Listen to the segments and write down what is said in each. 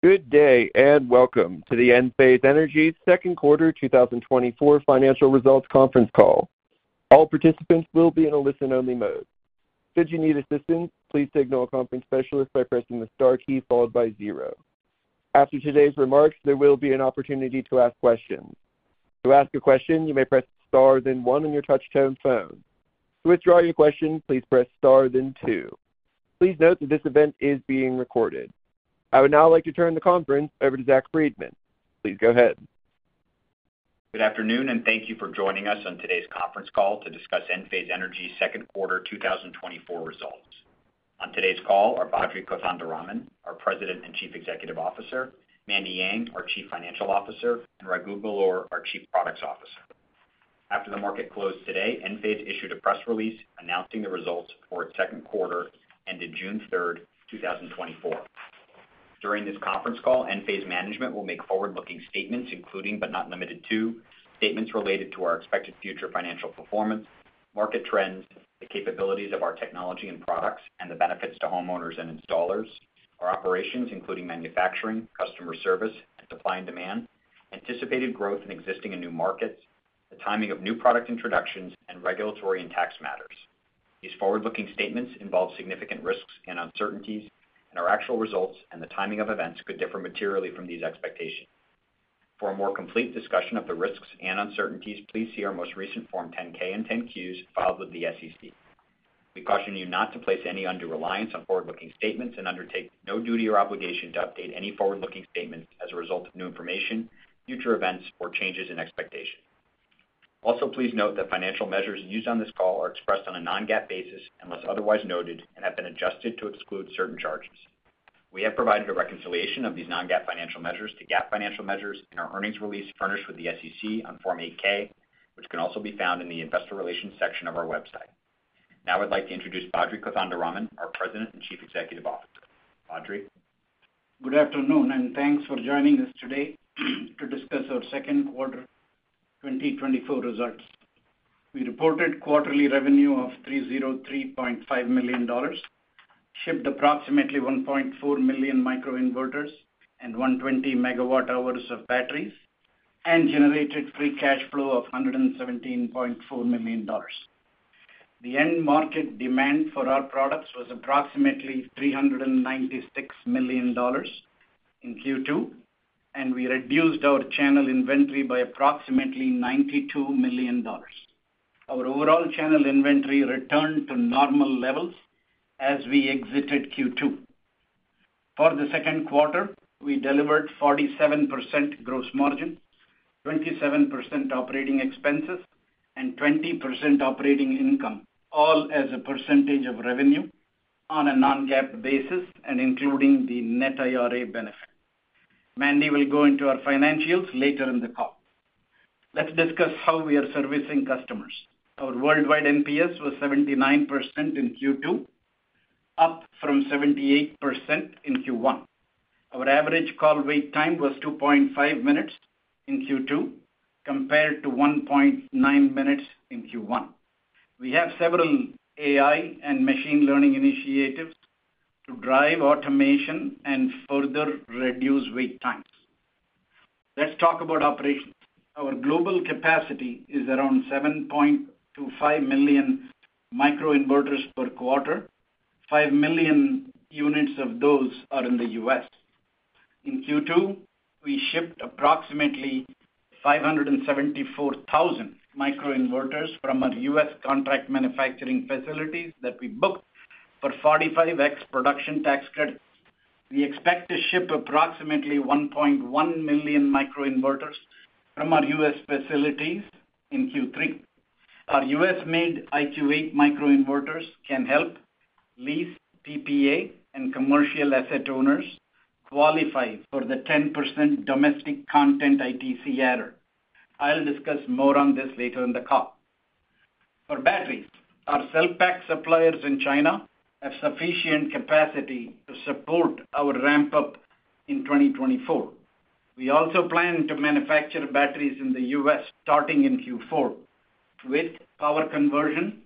Good day and welcome to the Enphase Energy Q2 2024 Financial Results Conference Call. All participants will be in a listen-only mode. Should you need assistance, please signal a conference specialist by pressing the star key followed by zero. After today's remarks, there will be an opportunity to ask questions. To ask a question, you may press star then one on your touch-tone phone. To withdraw your question, please press star then two. Please note that this event is being recorded. I would now like to turn the conference over to Zach Friedman. Please go ahead. Good afternoon and thank you for joining us on today's conference call to discuss Enphase Energy Q2 2024 results. On today's call are Badri Kothandaraman, our President and Chief Executive Officer; Mandy Yang, our Chief Financial Officer; and Raghuveer Belur, our Chief Products Officer. After the market closed today, Enphase issued a press release announcing the results for its Q2 ended June 3rd, 2024. During this conference call, Enphase management will make forward-looking statements including, but not limited to, statements related to our expected future financial performance, market trends, the capabilities of our technology and products, and the benefits to homeowners and installers. Our operations, including manufacturing, customer service, and supply and demand. Anticipated growth in existing and new markets. The timing of new product introductions. And regulatory and tax matters. These forward-looking statements involve significant risks and uncertainties, and our actual results and the timing of events could differ materially from these expectations. For a more complete discussion of the risks and uncertainties, please see our most recent Form 10-K and 10-Qs filed with the SEC. We caution you not to place any undue reliance on forward-looking statements and undertake no duty or obligation to update any forward-looking statements as a result of new information, future events, or changes in expectations. Also, please note that financial measures used on this call are expressed on a non-GAAP basis unless otherwise noted and have been adjusted to exclude certain charges. We have provided a reconciliation of these non-GAAP financial measures to GAAP financial measures in our earnings release furnished with the SEC on Form 8-K, which can also be found in the investor relations section of our website. Now I'd like to introduce Badri Kothandaraman, our President and Chief Executive Officer. Badri. Good afternoon and thanks for joining us today to discuss our Q2 2024 results. We reported quarterly revenue of $303.5 million, shipped approximately 1.4 million microinverters and 120 MWh of batteries, and generated free cash flow of $117.4 million. The end market demand for our products was approximately $396 million in Q2, and we reduced our channel inventory by approximately $92 million. Our overall channel inventory returned to normal levels as we exited Q2. For the Q2, we delivered 47% gross margin, 27% operating expenses, and 20% operating income, all as a percentage of revenue on a non-GAAP basis and including the net IRA benefit. Mandy will go into our financials later in the call. Let's discuss how we are servicing customers. Our worldwide NPS was 79% in Q2, up from 78% in Q1. Our average call wait time was 2.5 minutes in Q2 compared to 1.9 minutes in Q1. We have several AI and machine learning initiatives to drive automation and further reduce wait times. Let's talk about operations. Our global capacity is around 7.25 million microinverters per quarter. 5 million units of those are in the U.S. In Q2, we shipped approximately 574,000 microinverters from our U.S. contract manufacturing facilities that we booked for 45X production tax credits. We expect to ship approximately 1.1 million microinverters from our U.S. facilities in Q3. Our U.S.-made IQ8 Microinverters can help lease/PPA and commercial asset owners qualify for the 10% domestic content ITC adder. I'll discuss more on this later in the call. For batteries, our cell pack suppliers in China have sufficient capacity to support our ramp-up in 2024. We also plan to manufacture batteries in the U.S. starting in Q4 with power conversion,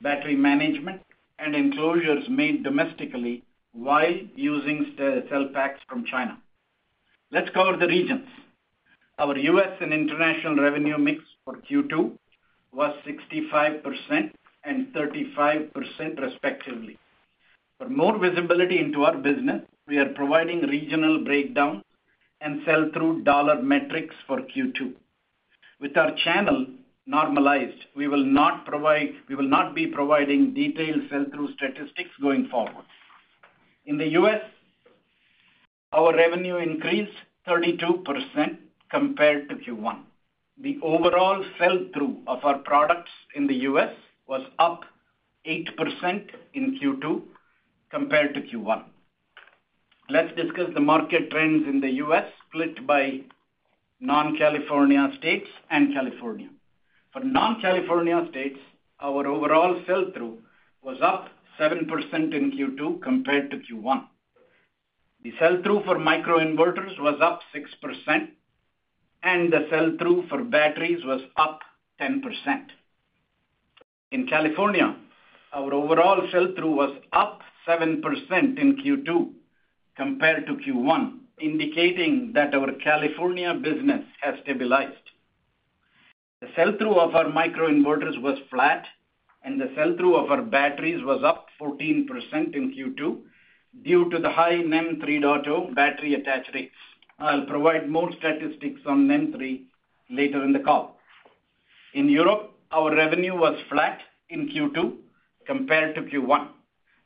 battery management, and enclosures made domestically while using cell packs from China. Let's cover the regions. Our U.S. and international revenue mix for Q2 was 65% and 35% respectively. For more visibility into our business, we are providing regional breakdown and sell-through dollar metrics for Q2. With our channel normalized, we will not be providing detailed sell-through statistics going forward. In the U.S., our revenue increased 32% compared to Q1. The overall sell-through of our products in the U.S. was up 8% in Q2 compared to Q1. Let's discuss the market trends in the U.S. split by non-California states and California. For non-California states, our overall sell-through was up 7% in Q2 compared to Q1. The sell-through for microinverters was up 6%, and the sell-through for batteries was up 10%. In California, our overall sell-through was up 7% in Q2 compared to Q1, indicating that our California business has stabilized. The sell-through of our microinverters was flat, and the sell-through of our batteries was up 14% in Q2 due to the high NEM 3.0 battery attach rates. I'll provide more statistics on NEM 3.0 later in the call. In Europe, our revenue was flat in Q2 compared to Q1.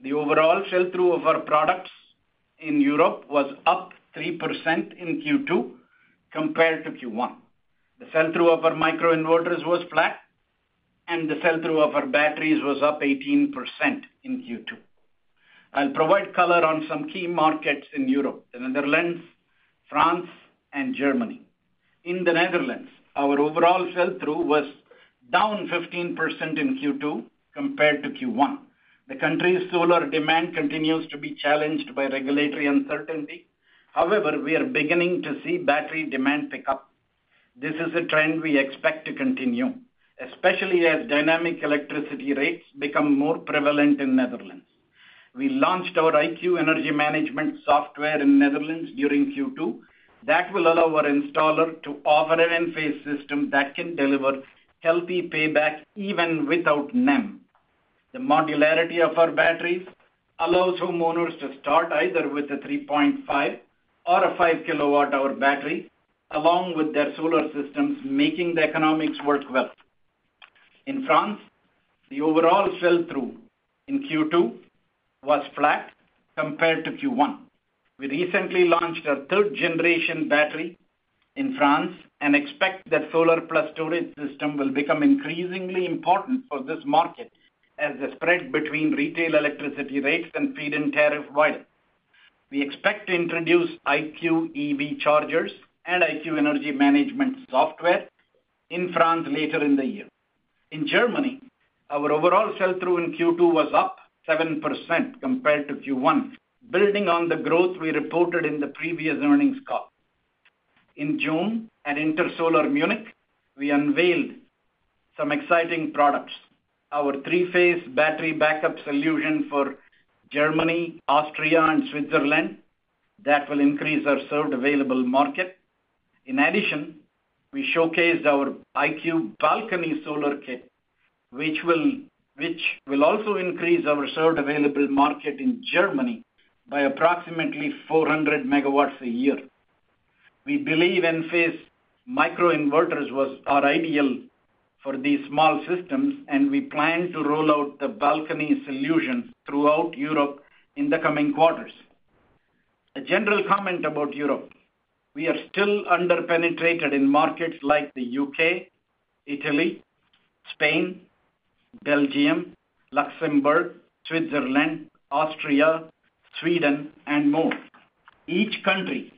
The overall sell-through of our products in Europe was up 3% in Q2 compared to Q1. The sell-through of our microinverters was flat, and the sell-through of our batteries was up 18% in Q2. I'll provide color on some key markets in Europe: the Netherlands, France, and Germany. In the Netherlands, our overall sell-through was down 15% in Q2 compared to Q1. The country's solar demand continues to be challenged by regulatory uncertainty. However, we are beginning to see battery demand pick up. This is a trend we expect to continue, especially as dynamic electricity rates become more prevalent in the Netherlands. We launched our IQ Energy Management software in the Netherlands during Q2. That will allow our installer to offer an Enphase system that can deliver healthy payback even without NEM. The modularity of our batteries allows homeowners to start either with a 3.5 or 5-kWh battery along with their solar systems, making the economics work well. In France, the overall sell-through in Q2 was flat compared to Q1. We recently launched our third-generation battery in France and expect that solar-plus-storage system will become increasingly important for this market as the spread between retail electricity rates and feed-in tariff widens. We expect to introduce IQ EV Chargers and IQ Energy Management software in France later in the year. In Germany, our overall sell-through in Q2 was up 7% compared to Q1, building on the growth we reported in the previous earnings call. In June, at Intersolar Munich, we unveiled some exciting products: our three-phase battery backup solution for Germany, Austria, and Switzerland that will increase our served-available market. In addition, we showcased our IQ Balcony Solar Kit, which will also increase our served-available market in Germany by approximately 400 MW a year. We believe Enphase microinverters are ideal for these small systems, and we plan to roll out the balcony solution throughout Europe in the coming quarters. A general comment about Europe: we are still under-penetrated in markets like the U.K., Italy, Spain, Belgium, Luxembourg, Switzerland, Austria, Sweden, and more. Each country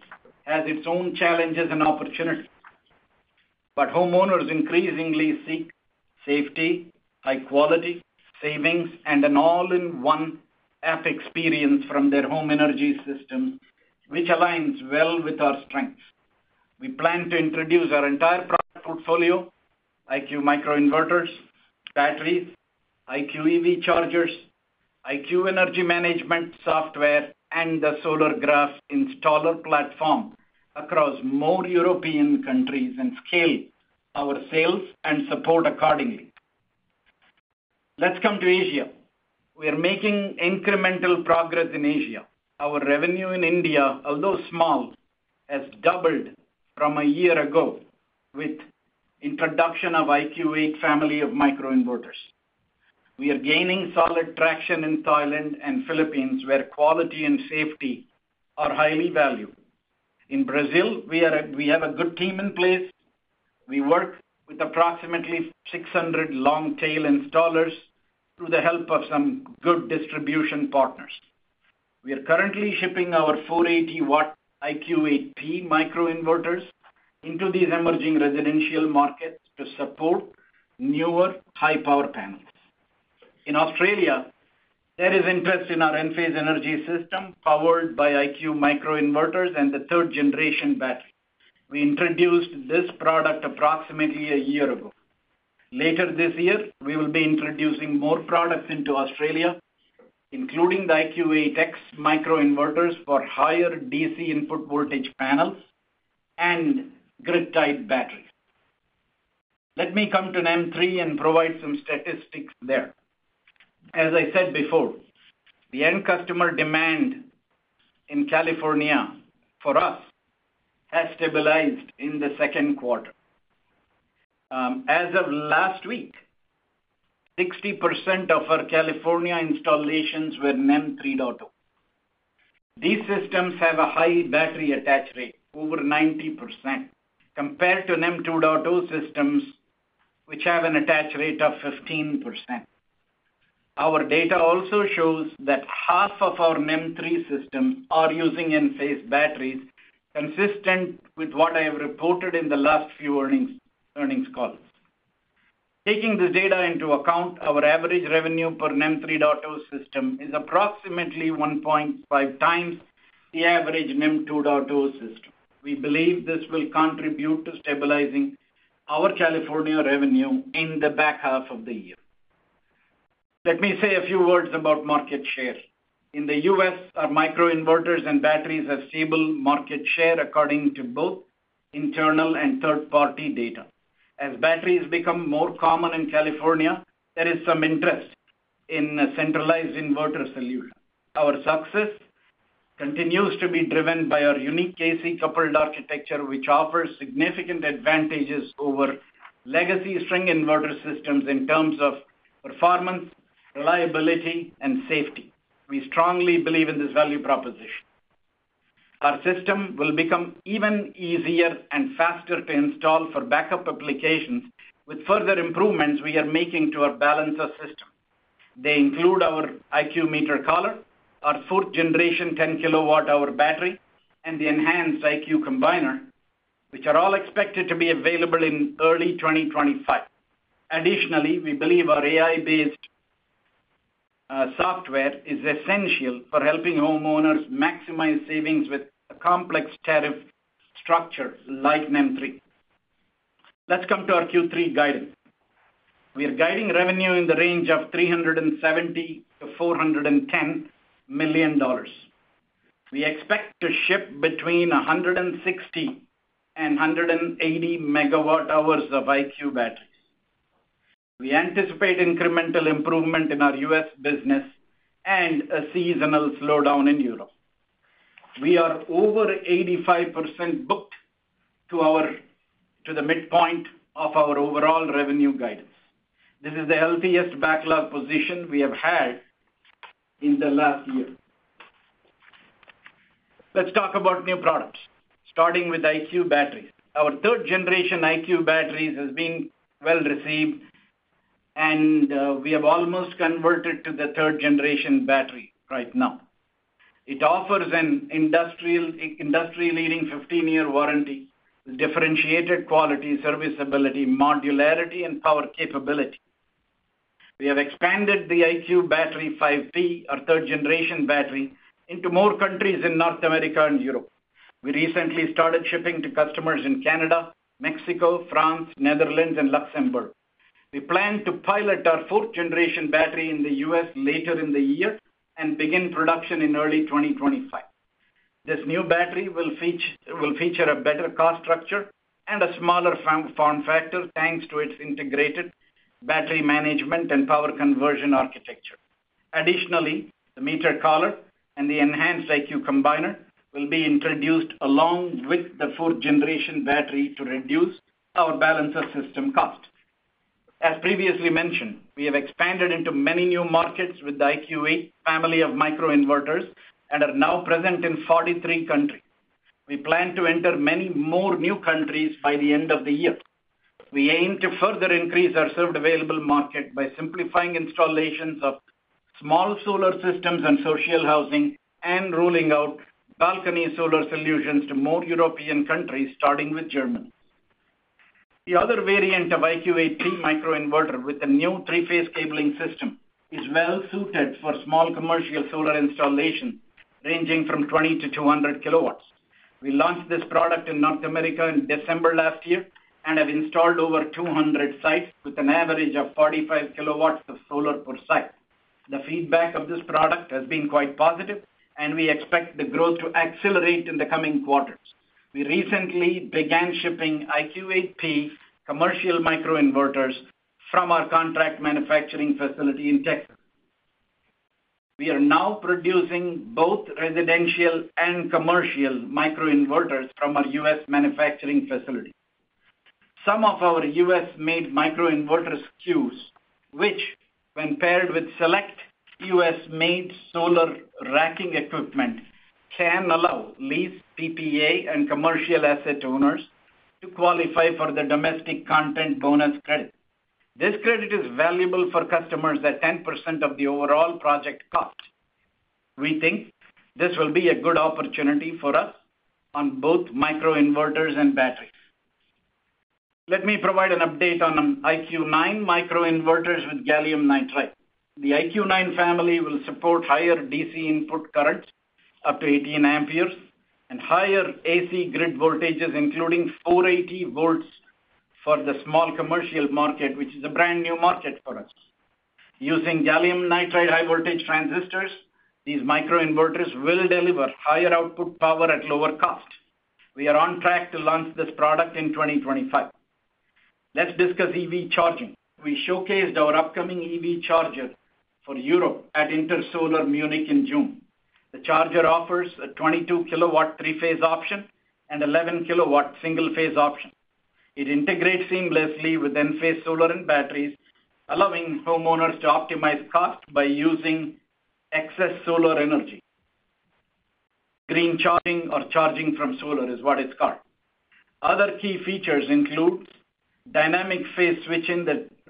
has its own challenges and opportunities, but homeowners increasingly seek safety, high quality, savings, and an all-in-one app experience from their home energy system, which aligns well with our strengths. We plan to introduce our entire product portfolio: IQ Microinverters, batteries, IQ EV Chargers, IQ Energy Management software, and the Solargraf installer platform across more European countries and scale our sales and support accordingly. Let's come to Asia. We are making incremental progress in Asia. Our revenue in India, although small, has doubled from a year ago with the introduction of the IQ8 family of Microinverters. We are gaining solid traction in Thailand and the Philippines, where quality and safety are highly valued. In Brazil, we have a good team in place. We work with approximately 600 long-tail installers through the help of some good distribution partners. We are currently shipping our 480-watt IQ8P microinverters into these emerging residential markets to support newer high-power panels. In Australia, there is interest in our Enphase Energy System powered by IQ microinverters and the third-generation battery. We introduced this product approximately a year ago. Later this year, we will be introducing more products into Australia, including the IQ8X microinverters for higher DC input voltage panels and grid-tied batteries. Let me come to NEM 3.0 and provide some statistics there. As I said before, the end customer demand in California for us has stabilized in the Q2. As of last week, 60% of our California installations were NEM 3.0. These systems have a high battery attach rate, over 90%, compared to NEM 2.0 systems, which have an attach rate of 15%. Our data also shows that half of our NEM 3.0 systems are using Enphase batteries, consistent with what I have reported in the last few earnings calls. Taking this data into account, our average revenue per NEM 3.0 system is approximately 1.5x the average NEM 2.0 system. We believe this will contribute to stabilizing our California revenue in the back half of the year. Let me say a few words about market share. In the U.S., our microinverters and batteries have stable market share according to both internal and third-party data. As batteries become more common in California, there is some interest in a centralized inverter solution. Our success continues to be driven by our unique AC-coupled architecture, which offers significant advantages over legacy string inverter systems in terms of performance, reliability, and safety. We strongly believe in this value proposition. Our system will become even easier and faster to install for backup applications with further improvements we are making to our balancer system. They include our IQ Meter Collar, our fourth generation 10 kWh battery, and the enhanced IQ Combiner, which are all expected to be available in early 2025. Additionally, we believe our AI-based software is essential for helping homeowners maximize savings with a complex tariff structure like NEM 3. Let's come to our Q3 guidance. We are guiding revenue in the range of $370 million-$410 million. We expect to ship between 160-180 MWh of IQ batteries. We anticipate incremental improvement in our U.S. business and a seasonal slowdown in Europe. We are over 85% booked to the midpoint of our overall revenue guidance. This is the healthiest backlog position we have had in the last year. Let's talk about new products, starting with IQ batteries. Our third-generation IQ batteries have been well received, and we have almost converted to the third-generation battery right now. It offers an industry-leading 15-year warranty with differentiated quality, serviceability, modularity, and power capability. We have expanded the IQ Battery 5P, our third-generation battery, into more countries in North America and Europe. We recently started shipping to customers in Canada, Mexico, France, the Netherlands, and Luxembourg. We plan to pilot our fourth generation battery in the U.S. later in the year and begin production in early 2025. This new battery will feature a better cost structure and a smaller form factor thanks to its integrated battery management and power conversion architecture. Additionally, the IQ Meter Collar and the enhanced IQ Combiner will be introduced along with the fourth generation battery to reduce our balancer system cost. As previously mentioned, we have expanded into many new markets with the IQ8 family of microinverters and are now present in 43 countries. We plan to enter many more new countries by the end of the year. We aim to further increase our served-available market by simplifying installations of small solar systems and social housing and rolling out balcony solar solutions to more European countries, starting with Germany. The other variant of IQ8P microinverter with a new three-phase cabling system is well suited for small commercial solar installations ranging from 20-200 kW. We launched this product in North America in December last year and have installed over 200 sites with an average of 45 kW of solar per site. The feedback of this product has been quite positive, and we expect the growth to accelerate in the coming quarters. We recently began shipping IQ8P commercial microinverters from our contract manufacturing facility in Texas. We are now producing both residential and commercial microinverters from our U.S. manufacturing facility. Some of our U.S.-made microinverter SKUs, which, when paired with select U.S.-made solar racking equipment, can allow lease, PPA, and commercial asset owners to qualify for the domestic content bonus credit. This credit is valuable for customers at 10% of the overall project cost. We think this will be a good opportunity for us on both microinverters and batteries. Let me provide an update on IQ9 microinverters with gallium nitride. The IQ9 family will support higher DC input currents up to 18 amperes and higher AC grid voltages, including 480 volts for the small commercial market, which is a brand new market for us. Using gallium nitride high-voltage transistors, these microinverters will deliver higher output power at lower cost. We are on track to launch this product in 2025. Let's discuss EV charging. We showcased our upcoming EV Charger for Europe at Intersolar Munich in June. The charger offers a 22-kW three-phase option and an 11-kW single-phase option. It integrates seamlessly with Enphase solar and batteries, allowing homeowners to optimize costs by using excess solar energy. Green charging, or charging from solar, is what it's called. Other key features include dynamic phase switching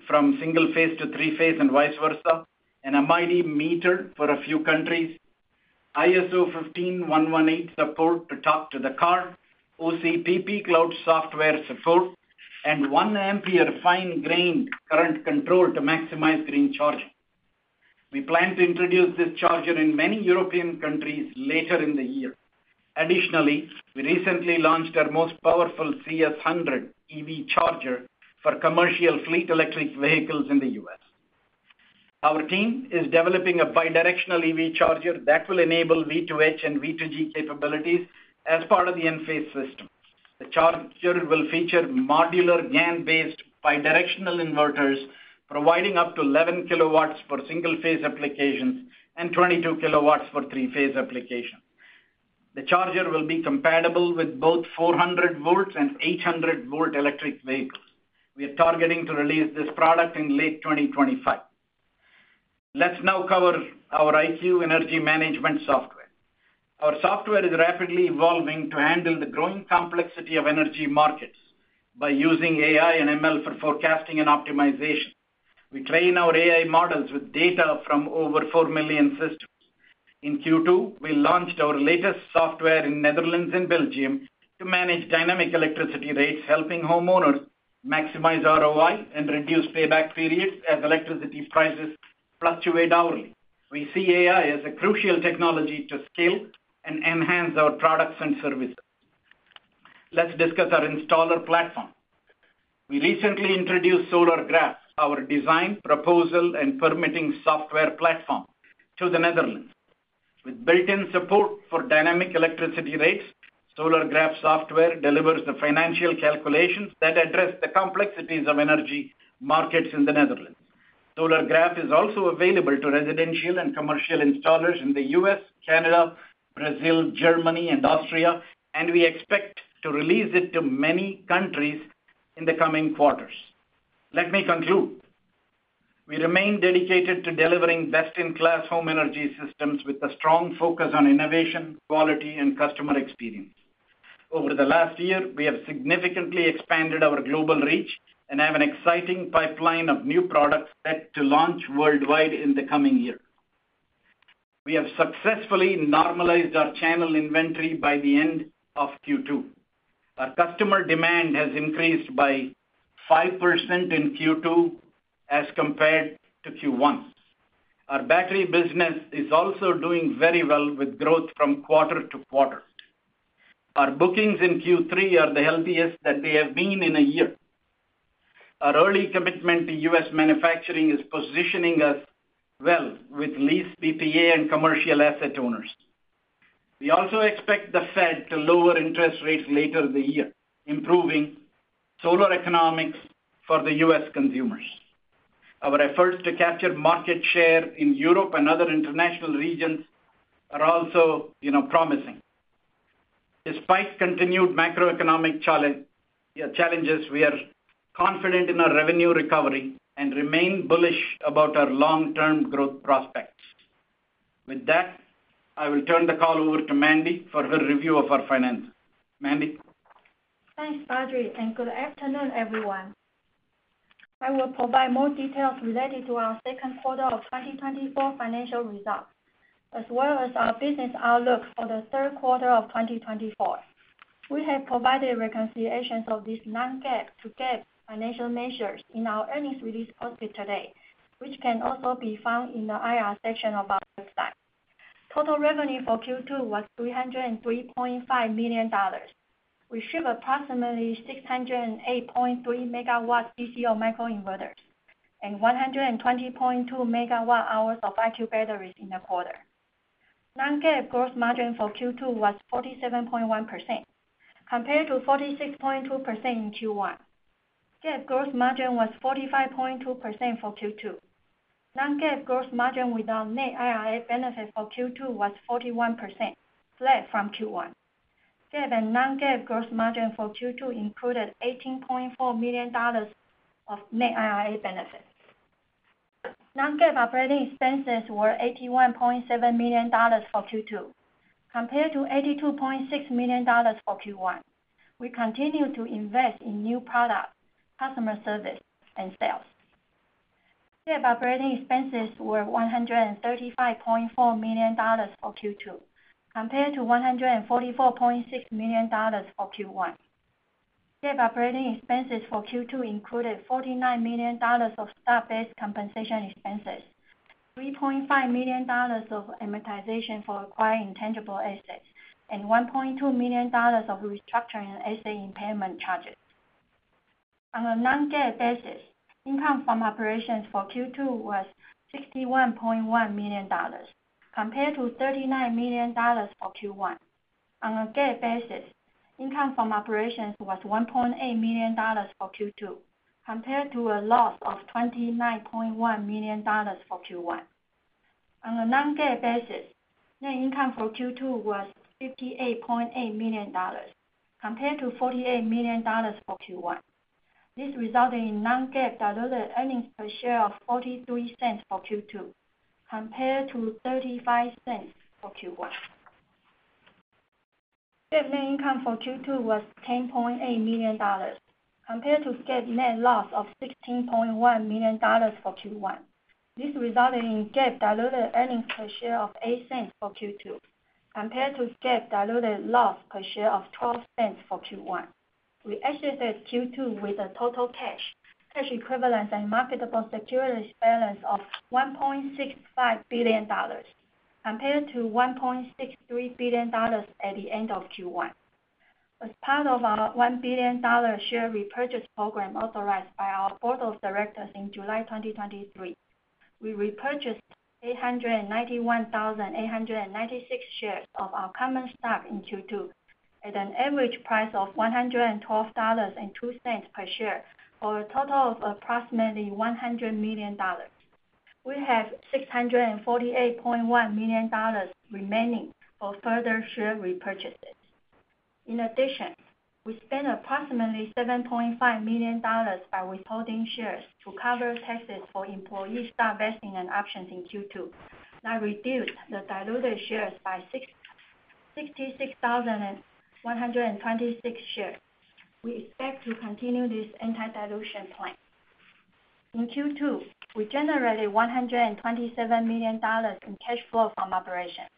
from single-phase to three-phase and vice versa, an MID meter for a few countries, ISO 15118 support to talk to the car, OCPP cloud software support, and 1 ampere fine-grained current control to maximize green charging. We plan to introduce this charger in many European countries later in the year. Additionally, we recently launched our most powerful CS-100 EV Charger for commercial fleet electric vehicles in the U.S. Our team is developing a bidirectional EV Charger that will enable V2H and V2G capabilities as part of the Enphase system. The charger will feature modular GaN-based bidirectional inverters, providing up to 11 kW for single-phase applications and 22 kW for three-phase applications. The charger will be compatible with both 400-volt and 800-volt electric vehicles. We are targeting to release this product in late 2025. Let's now cover our IQ Energy Management software. Our software is rapidly evolving to handle the growing complexity of energy markets by using AI and ML for forecasting and optimization. We train our AI models with data from over 4 million systems. In Q2, we launched our latest software in the Netherlands and Belgium to manage dynamic electricity rates, helping homeowners maximize ROI and reduce payback periods as electricity prices fluctuate hourly. We see AI as a crucial technology to scale and enhance our products and services. Let's discuss our installer platform. We recently introduced SolarGraph, our design, proposal, and permitting software platform, to the Netherlands. With built-in support for dynamic electricity rates, SolarGraph software delivers the financial calculations that address the complexities of energy markets in the Netherlands. SolarGraph is also available to residential and commercial installers in the U.S., Canada, Brazil, Germany, and Austria, and we expect to release it to many countries in the coming quarters. Let me conclude. We remain dedicated to delivering best-in-class home energy systems with a strong focus on innovation, quality, and customer experience. Over the last year, we have significantly expanded our global reach and have an exciting pipeline of new products set to launch worldwide in the coming year. We have successfully normalized our channel inventory by the end of Q2. Our customer demand has increased by 5% in Q2 as compared to Q1. Our battery business is also doing very well with growth from quarter to quarter. Our bookings in Q3 are the healthiest that they have been in a year. Our early commitment to U.S. manufacturing is positioning us well with lease, PPA, and commercial asset owners. We also expect the Fed to lower interest rates later in the year, improving solar economics for the U.S. consumers. Our efforts to capture market share in Europe and other international regions are also promising. Despite continued macroeconomic challenges, we are confident in our revenue recovery and remain bullish about our long-term growth prospects. With that, I will turn the call over to Mandy for her review of our finances. Mandy? Thanks, Badri, and good afternoon, everyone. I will provide more details related to our Q2 2024 financial results, as well as our business outlook for the Q3 2024. We have provided reconciliations of these non-GAAP to GAAP financial measures in our earnings release posted today, which can also be found in the IR section of our website. Total revenue for Q2 was $303.5 million. We shipped approximately 608.3 MW-DC of microinverters and 120.2 MWh of IQ batteries in the quarter. Non-GAAP gross margin for Q2 was 47.1%, compared to 46.2% in Q1. GAAP gross margin was 45.2% for Q2. Non-GAAP gross margin without net IRA benefit for Q2 was 41%, flat from Q1. GAAP and non-GAAP gross margin for Q2 included $18.4 million of net IRA benefit. Non-GAAP operating expenses were $81.7 million for Q2, compared to $82.6 million for Q1. We continue to invest in new products, customer service, and sales. GAAP operating expenses were $135.4 million for Q2, compared to $144.6 million for Q1. GAAP operating expenses for Q2 included $49 million of stock-based compensation expenses, $3.5 million of amortization for acquiring tangible assets, and $1.2 million of restructuring and asset impairment charges. On a non-GAAP basis, income from operations for Q2 was $61.1 million, compared to $39 million for Q1. On a GAAP basis, income from operations was $1.8 million for Q2, compared to a loss of $29.1 million for Q1. On a non-GAAP basis, net income for Q2 was $58.8 million, compared to $48 million for Q1. This resulted in non-GAAP diluted earnings per share of $0.43 for Q2, compared to $0.35 for Q1. GAAP net income for Q2 was $10.8 million, compared to GAAP net loss of $16.1 million for Q1. This resulted in GAAP diluted earnings per share of $0.08 for Q2, compared to GAAP diluted loss per share of $0.12 for Q1. We exited Q2 with a total cash, cash equivalents, and marketable securities balance of $1.65 billion, compared to $1.63 billion at the end of Q1. As part of our $1 billion share repurchase program authorized by our board of directors in July 2023, we repurchased 891,896 shares of our common stock in Q2 at an average price of $112.02 per share for a total of approximately $100 million. We have $648.1 million remaining for further share repurchases. In addition, we spent approximately $7.5 million by withholding shares to cover taxes for employee stock vesting and options in Q2. That reduced the diluted shares by 66,126 shares. We expect to continue this anti-dilution plan. In Q2, we generated $127 million in cash flow from operations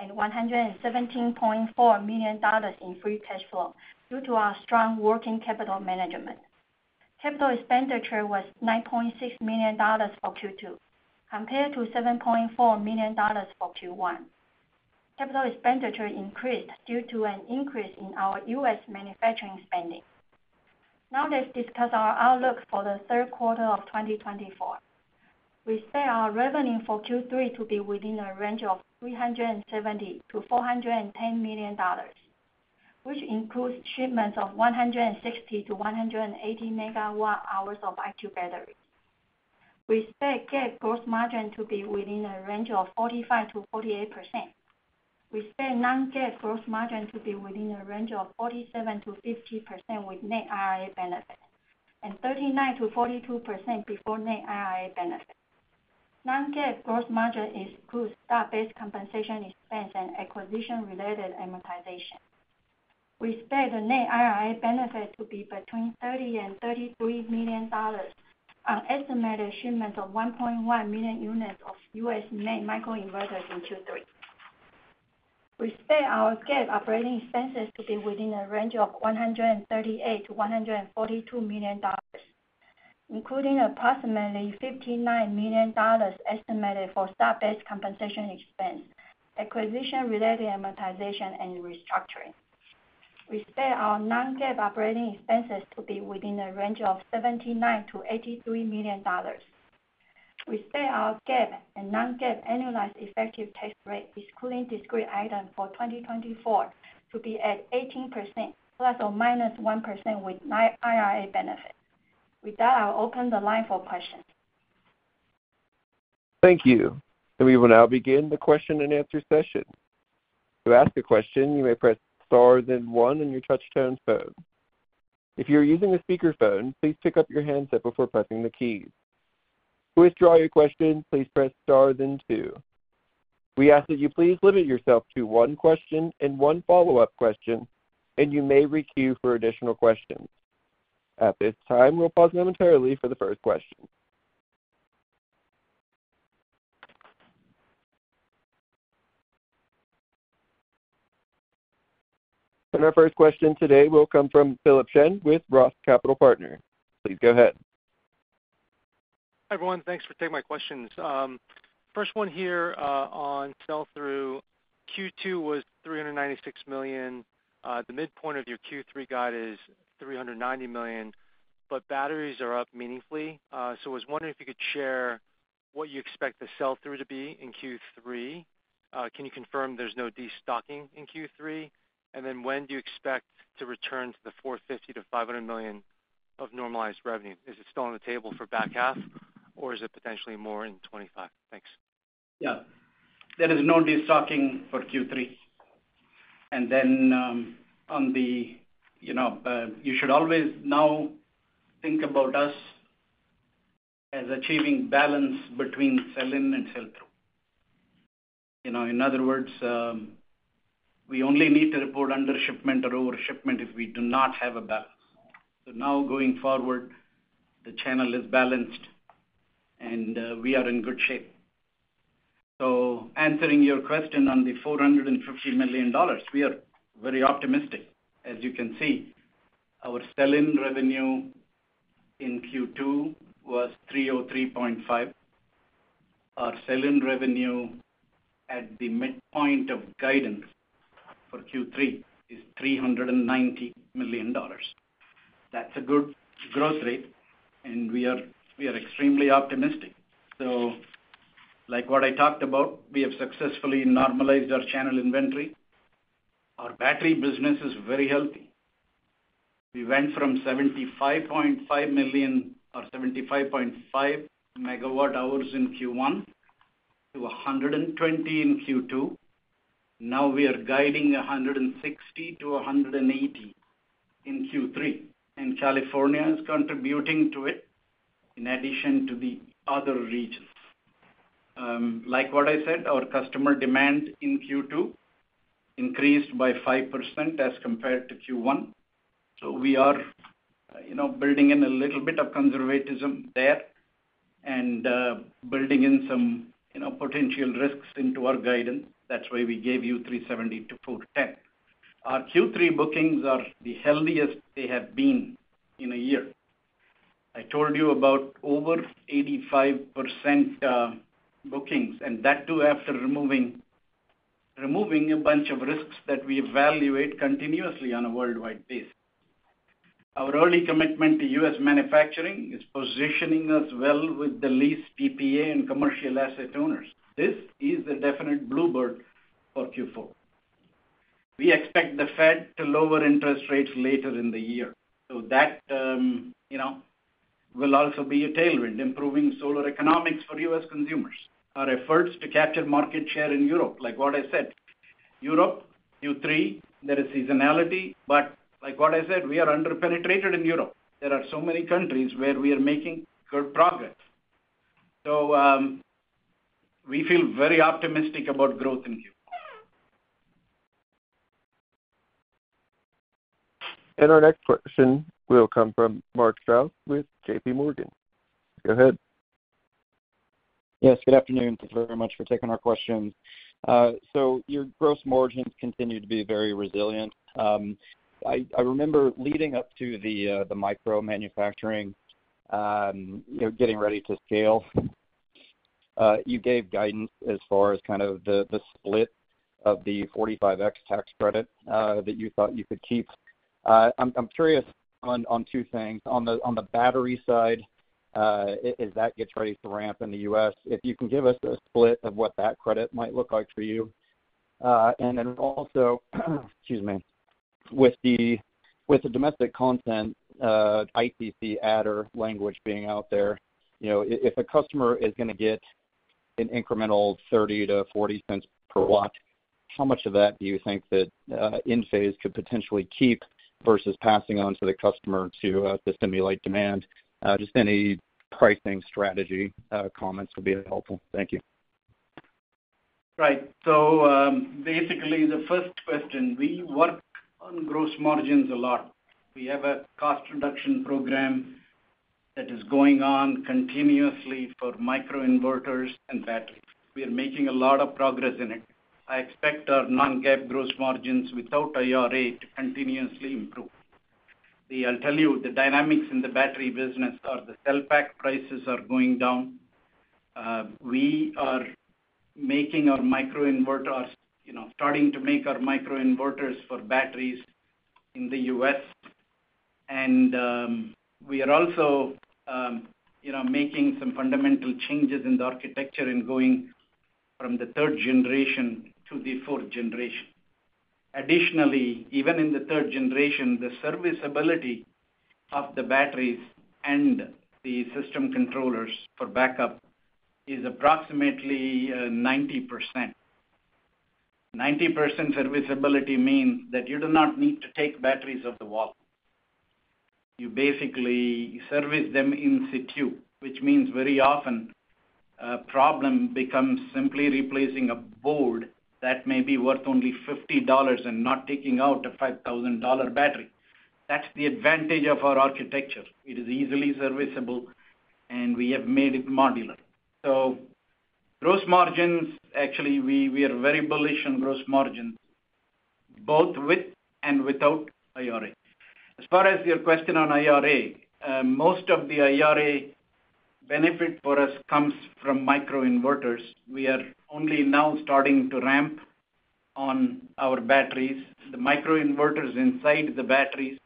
and $117.4 million in free cash flow due to our strong working capital management. Capital expenditure was $9.6 million for Q2, compared to $7.4 million for Q1. Capital expenditure increased due to an increase in our U.S. manufacturing spending. Now let's discuss our outlook for the Q3 of 2024. We expect our revenue for Q3 to be within a range of $370 million-$410 million, which includes shipments of 160-180 MWh of IQ batteries. We expect GAAP gross margin to be within a range of 45%-48%. We expect non-GAAP gross margin to be within a range of 47%-50% with net IRA benefit and 39%-42% before net IRA benefit. Non-GAAP gross margin includes stock-based compensation expense and acquisition-related amortization. We expect the net IRA benefit to be between $30 million-$33 million on estimated shipments of 1.1 million units of U.S.-made microinverters in Q3. We expect our GAAP operating expenses to be within a range of $138 million-$142 million, including approximately $59 million estimated for stock-based compensation expense, acquisition-related amortization, and restructuring. We expect our non-GAAP operating expenses to be within a range of $79 million-$83 million. We expect our GAAP and non-GAAP annualized effective tax rate, excluding discrete items for 2024, to be at 18% ±1% with net IRA benefit. With that, I'll open the line for questions. Thank you. We will now begin the question and answer session. To ask a question, you may press stars and 1 on your touch-tone phone. If you're using a speakerphone, please pick up your handset before pressing the keys. To withdraw your question, please press stars and 2. We ask that you please limit yourself to one question and one follow-up question, and you may re-queue for additional questions. At this time, we'll pause momentarily for the first question. Our first question today will come from Philip Shen with Roth Capital Partners. Please go ahead. Hi, everyone. Thanks for taking my questions. First one here on sell-through. Q2 was $396 million. The midpoint of your Q3 guide is $390 million, but batteries are up meaningfully. So I was wondering if you could share what you expect the sell-through to be in Q3. Can you confirm there's no destocking in Q3? And then when do you expect to return to the $450 million-$500 million of normalized revenue? Is it still on the table for back half, or is it potentially more in 2025? Thanks. Yeah. There is no destocking for Q3. And then on the, you should always now think about us as achieving balance between sell-in and sell-through. In other words, we only need to report under shipment or over shipment if we do not have a balance. So now going forward, the channel is balanced, and we are in good shape. So answering your question on the $450 million, we are very optimistic. As you can see, our sell-in revenue in Q2 was $303.5 million. Our sell-in revenue at the midpoint of guidance for Q3 is $390 million. That's a good growth rate, and we are extremely optimistic. So like what I talked about, we have successfully normalized our channel inventory. Our battery business is very healthy. We went from 75.5 million or 75.5 MWh in Q1 to 120 MWh in Q2. Now we are guiding 160 MWh-180 MWh in Q3. California is contributing to it in addition to the other regions. Like what I said, our customer demand in Q2 increased by 5% as compared to Q1. So we are building in a little bit of conservatism there and building in some potential risks into our guidance. That's why we gave you $370-$410. Our Q3 bookings are the healthiest they have been in a year. I told you about over 85% bookings, and that too after removing a bunch of risks that we evaluate continuously on a worldwide basis. Our early commitment to U.S. manufacturing is positioning us well with the lease/PPA and commercial asset owners. This is a definite bluebird for Q4. We expect the Fed to lower interest rates later in the year. So that will also be a tailwind, improving solar economics for U.S. consumers. Our efforts to capture market share in Europe, like what I said, Europe, Q3, there is seasonality. But like what I said, we are under-penetrated in Europe. There are so many countries where we are making good progress. So we feel very optimistic about growth in Q4. And our next question will come from Mark Strouse with J.P. Morgan. Go ahead. Yes. Good afternoon. Thank you very much for taking our questions. So your gross margins continue to be very resilient. I remember leading up to the micro manufacturing, getting ready to scale, you gave guidance as far as kind of the split of the 45X tax credit that you thought you could keep. I'm curious on two things. On the battery side, as that gets ready to ramp in the U.S., if you can give us a split of what that credit might look like for you. Excuse me, with the domestic content, ITC adder language being out there, if a customer is going to get an incremental $0.30-$0.40 per watt, how much of that do you think that Enphase could potentially keep versus passing on to the customer to stimulate demand? Just any pricing strategy comments would be helpful. Thank you. Right. Basically, the first question, we work on gross margins a lot. We have a cost reduction program that is going on continuously for microinverters and batteries. We are making a lot of progress in it. I expect our non-GAAP gross margins without IRA to continuously improve. I'll tell you, the dynamics in the battery business are the cell pack prices are going down. We are making our microinverters, starting to make our microinverters for batteries in the U.S. We are also making some fundamental changes in the architecture and going from the third generation to the fourth generation. Additionally, even in the third generation, the serviceability of the batteries and the system controllers for backup is approximately 90%. 90% serviceability means that you do not need to take batteries off the wall. You basically service them in situ, which means very often a problem becomes simply replacing a board that may be worth only $50 and not taking out a $5,000 battery. That's the advantage of our architecture. It is easily serviceable, and we have made it modular. So gross margins, actually, we are very bullish on gross margins, both with and without IRA. As far as your question on IRA, most of the IRA benefit for us comes from microinverters. We are only now starting to ramp on our batteries. The microinverters inside the batteries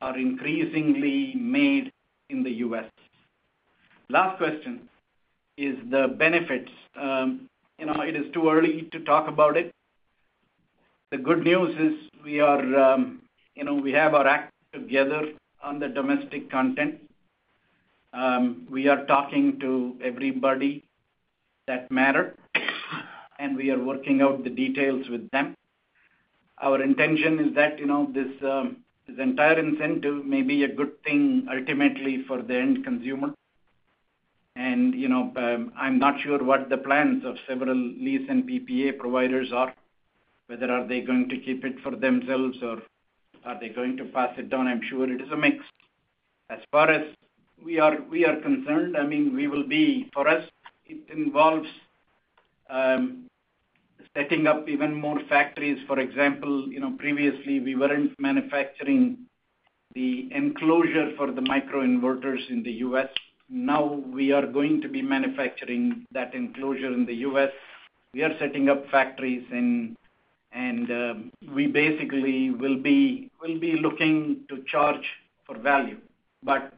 are increasingly made in the U.S. Last question is the benefits. It is too early to talk about it. The good news is we have our act together on the domestic content. We are talking to everybody that matters, and we are working out the details with them. Our intention is that this entire incentive may be a good thing ultimately for the end consumer. And I'm not sure what the plans of several lease and PPA providers are, whether they're going to keep it for themselves or are they going to pass it down. I'm sure it is a mix. As far as we are concerned, I mean, we will be for us, it involves setting up even more factories. For example, previously, we weren't manufacturing the enclosure for the microinverters in the U.S. Now we are going to be manufacturing that enclosure in the U.S. We are setting up factories, and we basically will be looking to charge for value. But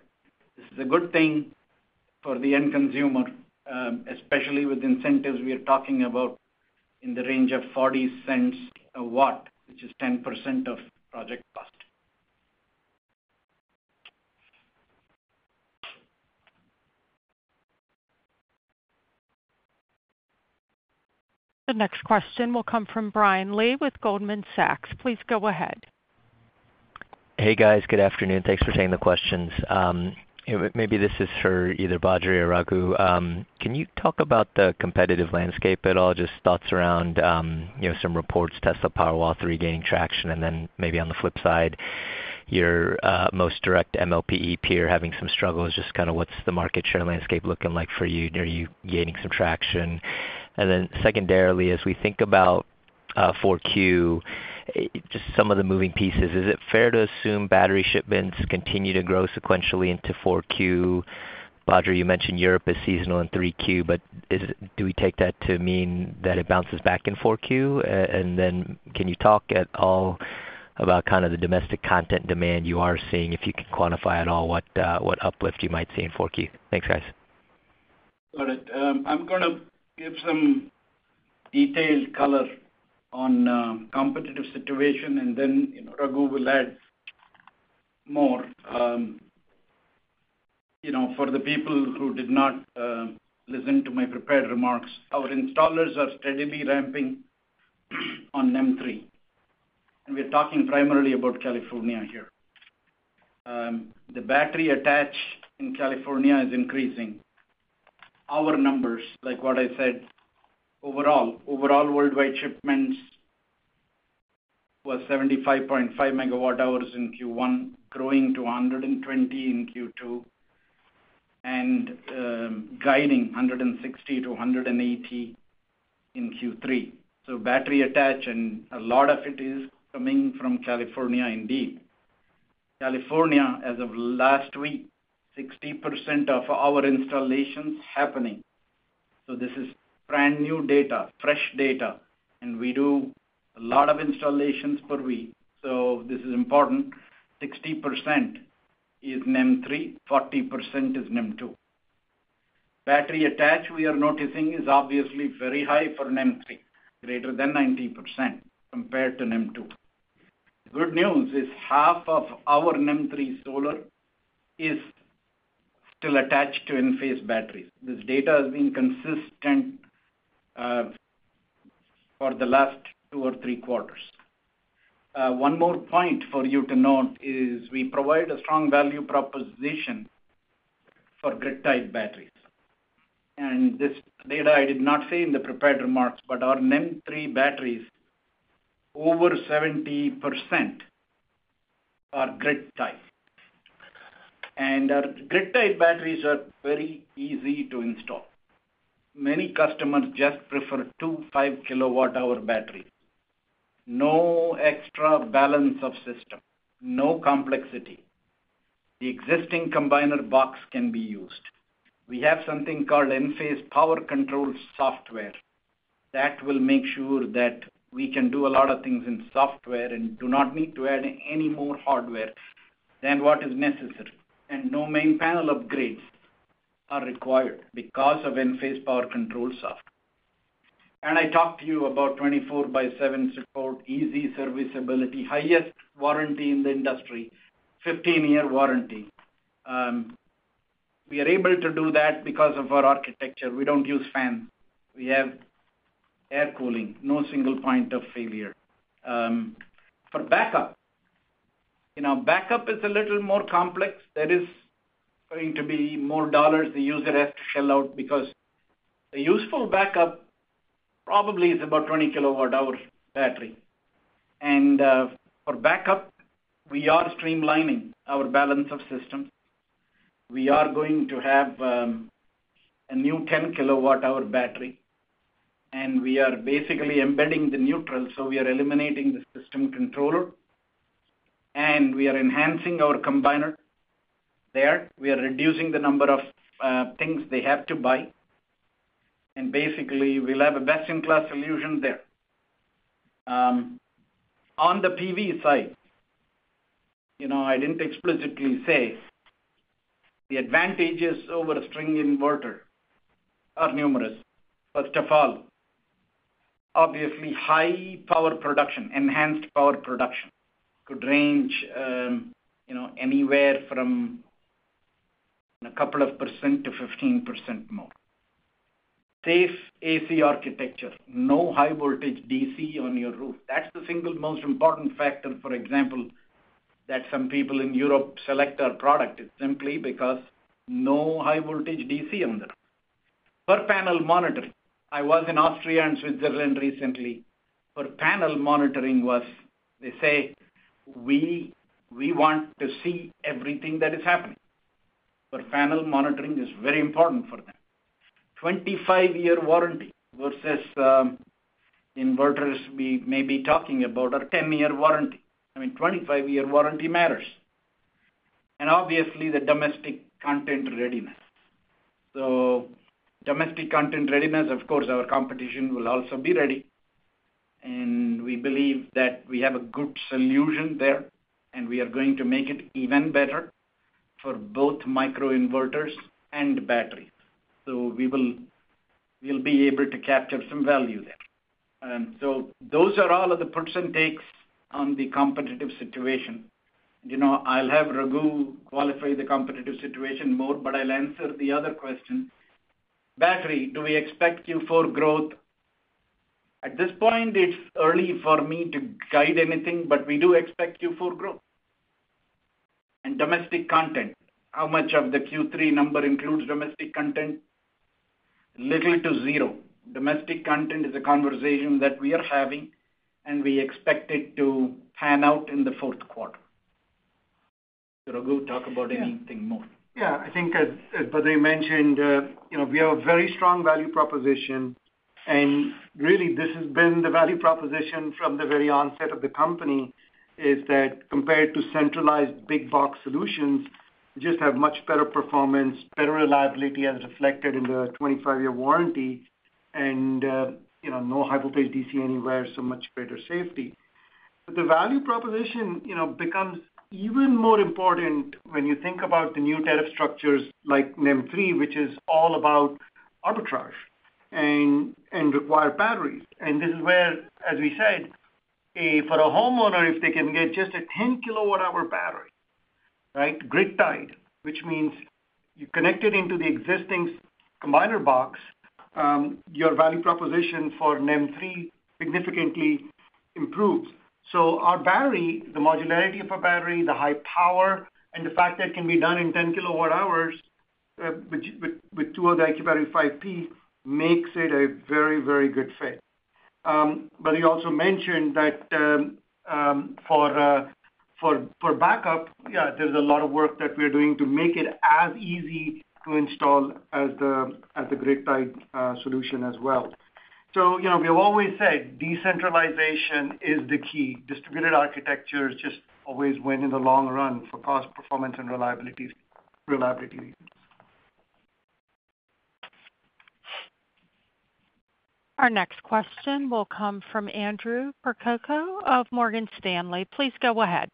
this is a good thing for the end consumer, especially with incentives we are talking about in the range of $0.40 a watt, which is 10% of project cost. The next question will come from Brian Lee with Goldman Sachs. Please go ahead. Hey, guys. Good afternoon. Thanks for taking the questions. Maybe this is for either Badri or Raghu. Can you talk about the competitive landscape at all? Just thoughts around some reports, Tesla Powerwall 3 gaining traction, and then maybe on the flip side, your most direct MLPE peer having some struggles. Just kind of what's the market share landscape looking like for you? Are you gaining some traction? And then secondarily, as we think about Q4, just some of the moving pieces, is it fair to assume battery shipments continue to grow sequentially into Q4? Badri, you mentioned Europe is seasonal in Q3, but do we take that to mean that it bounces back in Q4? And then can you talk at all about kind of the domestic content demand you are seeing, if you can quantify at all what uplift you might see in Q4? Thanks, guys. Got it. I'm going to give some detailed color on competitive situation, and then Raghu will add more. For the people who did not listen to my prepared remarks, our installers are steadily ramping on NEM 3.0. And we're talking primarily about California here. The battery attach in California is increasing. Our numbers, like what I said, overall, overall worldwide shipments were 75.5 MWh in Q1, growing to 120 MWh in Q2, and guiding 160 MWh-180 MWh in Q3. So battery attach, and a lot of it is coming from California indeed. California, as of last week, 60% of our installations happening. So this is brand new data, fresh data. And we do a lot of installations per week. So this is important. 60% is NEM 3.0, 40% is NEM 2.0. Battery attach, we are noticing, is obviously very high for NEM 3.0, greater than 90% compared to NEM 2.0. The good news is half of our NEM 3.0 solar is still attached to Enphase batteries. This data has been consistent for the last two or three quarters. One more point for you to note is we provide a strong value proposition for grid-type batteries. This data I did not say in the prepared remarks, but our NEM 3.0 batteries, over 70% are grid-tied. Our grid-tied batteries are very easy to install. Many customers just prefer two 5 kWh batteries. No extra balance of system. No complexity. The existing combiner box can be used. We have something called Enphase Power Control Software that will make sure that we can do a lot of things in software and do not need to add any more hardware than what is necessary. No main panel upgrades are required because of Enphase Power Control Software. I talked to you about 24x7 support, easy serviceability, highest warranty in the industry, 15-year warranty. We are able to do that because of our architecture. We don't use fans. We have air cooling. No single point of failure. For backup, backup is a little more complex. There is going to be more dollars the user has to shell out because a useful backup probably is about 20 kWh battery. For backup, we are streamlining our balance of systems. We are going to have a new 10 kWh battery, and we are basically embedding the neutral. So we are eliminating the system controller, and we are enhancing our combiner there. We are reducing the number of things they have to buy. And basically, we'll have a best-in-class solution there. On the PV side, I didn't explicitly say the advantages over a string inverter are numerous. First of all, obviously, high power production, enhanced power production could range anywhere from 2% to 15% more. Safe AC architecture, no high-voltage DC on your roof. That's the single most important factor, for example, that some people in Europe select our product. It's simply because no high-voltage DC on the roof. Per panel monitoring, I was in Austria and Switzerland recently. Per panel monitoring was, they say, "We want to see everything that is happening." Per panel monitoring is very important for them. 25-year warranty versus inverters we may be talking about are 10-year warranty. I mean, 25-year warranty matters. And obviously, the domestic content readiness. So domestic content readiness, of course, our competition will also be ready. And we believe that we have a good solution there, and we are going to make it even better for both microinverters and batteries. So we will be able to capture some value there. So those are all of the percent takes on the competitive situation. I'll have Raghu qualify the competitive situation more, but I'll answer the other question. Battery, do we expect Q4 growth? At this point, it's early for me to guide anything, but we do expect Q4 growth. And domestic content, how much of the Q3 number includes domestic content? Little to zero. Domestic content is a conversation that we are having, and we expect it to pan out in the Q4. Raghu, talk about anything more. Yeah. I think, as Badri mentioned, we have a very strong value proposition. And really, this has been the value proposition from the very onset of the company is that compared to centralized big box solutions, you just have much better performance, better reliability as reflected in the 25-year warranty, and no high-voltage DC anywhere, so much greater safety. But the value proposition becomes even more important when you think about the new tariff structures like NEM 3.0, which is all about arbitrage and required batteries. And this is where, as we said, for a homeowner, if they can get just a 10 kWh battery, right, grid-tied, which means you connect it into the existing combiner box, your value proposition for NEM 3.0 significantly improves. So our battery, the modularity of our battery, the high power, and the fact that it can be done in 10 kWh with 2 of the IQ Battery 5P makes it a very, very good fit. But you also mentioned that for backup, yeah, there's a lot of work that we are doing to make it as easy to install as the grid-tied solution as well. So we have always said decentralization is the key. Distributed architecture is just always win in the long run for cost performance and reliability reasons. Our next question will come from Andrew Percoco of Morgan Stanley. Please go ahead.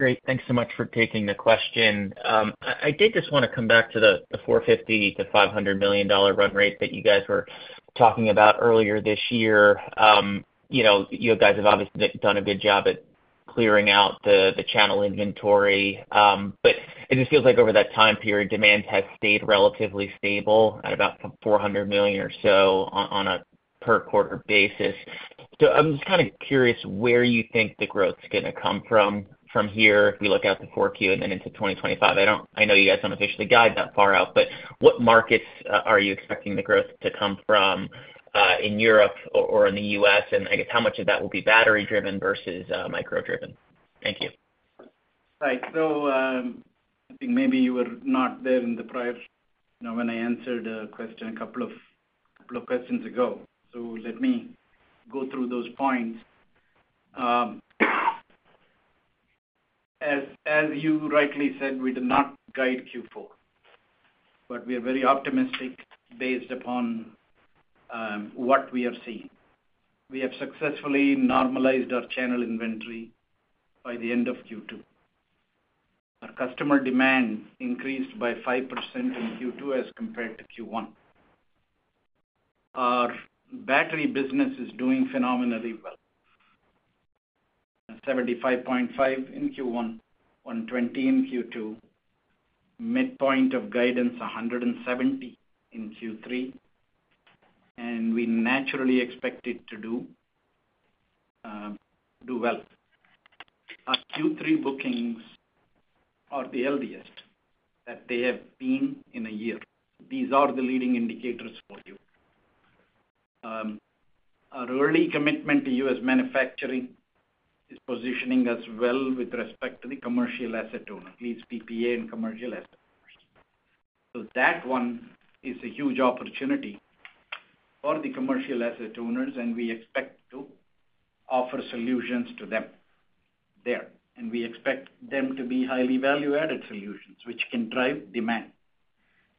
Great. Thanks so much for taking the question. I did just want to come back to the $450 million-$500 million run rate that you guys were talking about earlier this year. You guys have obviously done a good job at clearing out the channel inventory. But it just feels like over that time period, demand has stayed relatively stable at about $400 million or so on a per quarter basis. So I'm just kind of curious where you think the growth is going to come from here. If we look at the Q4 and then into 2025, I know you guys don't officially guide that far out, but what markets are you expecting the growth to come from in Europe or in the U.S.? And I guess how much of that will be battery-driven versus micro-driven? Thank you. Right. So I think maybe you were not there in the prior when I answered a question a couple of questions ago. So let me go through those points. As you rightly said, we do not guide Q4, but we are very optimistic based upon what we are seeing. We have successfully normalized our channel inventory by the end of Q2. Our customer demand increased by 5% in Q2 as compared to Q1. Our battery business is doing phenomenally well. 75.5 in Q1, 120 in Q2, midpoint of guidance 170 in Q3, and we naturally expect it to do well. Our Q3 bookings are the healthiest that they have been in a year. These are the leading indicators for you. Our early commitment to U.S. manufacturing is positioning us well with respect to the commercial asset owner, at least PPA and commercial asset owners. So that one is a huge opportunity for the commercial asset owners, and we expect to offer solutions to them there. And we expect them to be highly value-added solutions, which can drive demand.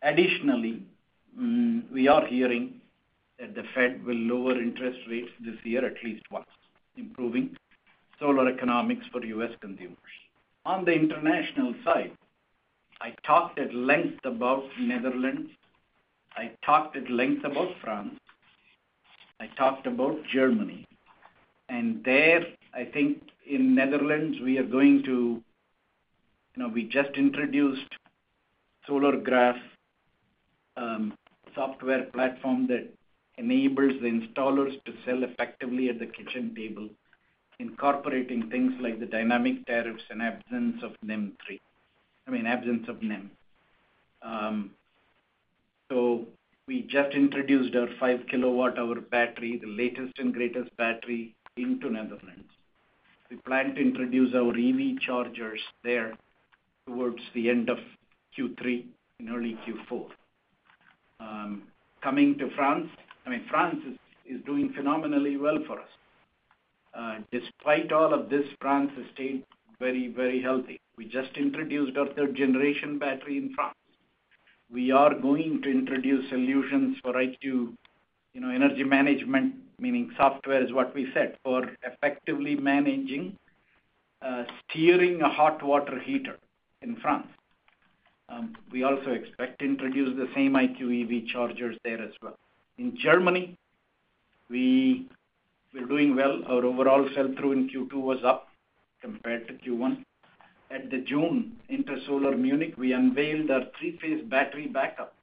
Additionally, we are hearing that the Fed will lower interest rates this year at least once, improving solar economics for U.S. consumers. On the international side, I talked at length about Netherlands. I talked at length about France. I talked about Germany. And there, I think in Netherlands, we just introduced SolarGraph software platform that enables the installers to sell effectively at the kitchen table, incorporating things like the dynamic tariffs and absence of NEM 3.0. I mean, absence of NEM. So we just introduced our 5 kWh battery, the latest and greatest battery into Netherlands. We plan to introduce our EV Chargers there towards the end of Q3 and early Q4. Coming to France, I mean, France is doing phenomenally well for us. Despite all of this, France has stayed very, very healthy. We just introduced our third-generation battery in France. We are going to introduce solutions for IQ Energy Management, meaning software is what we said for effectively managing steering a hot water heater in France. We also expect to introduce the same IQ EV Chargers there as well. In Germany, we're doing well. Our overall sell-through in Q2 was up compared to Q1. At the June Intersolar Munich, we unveiled our three-phase battery backup.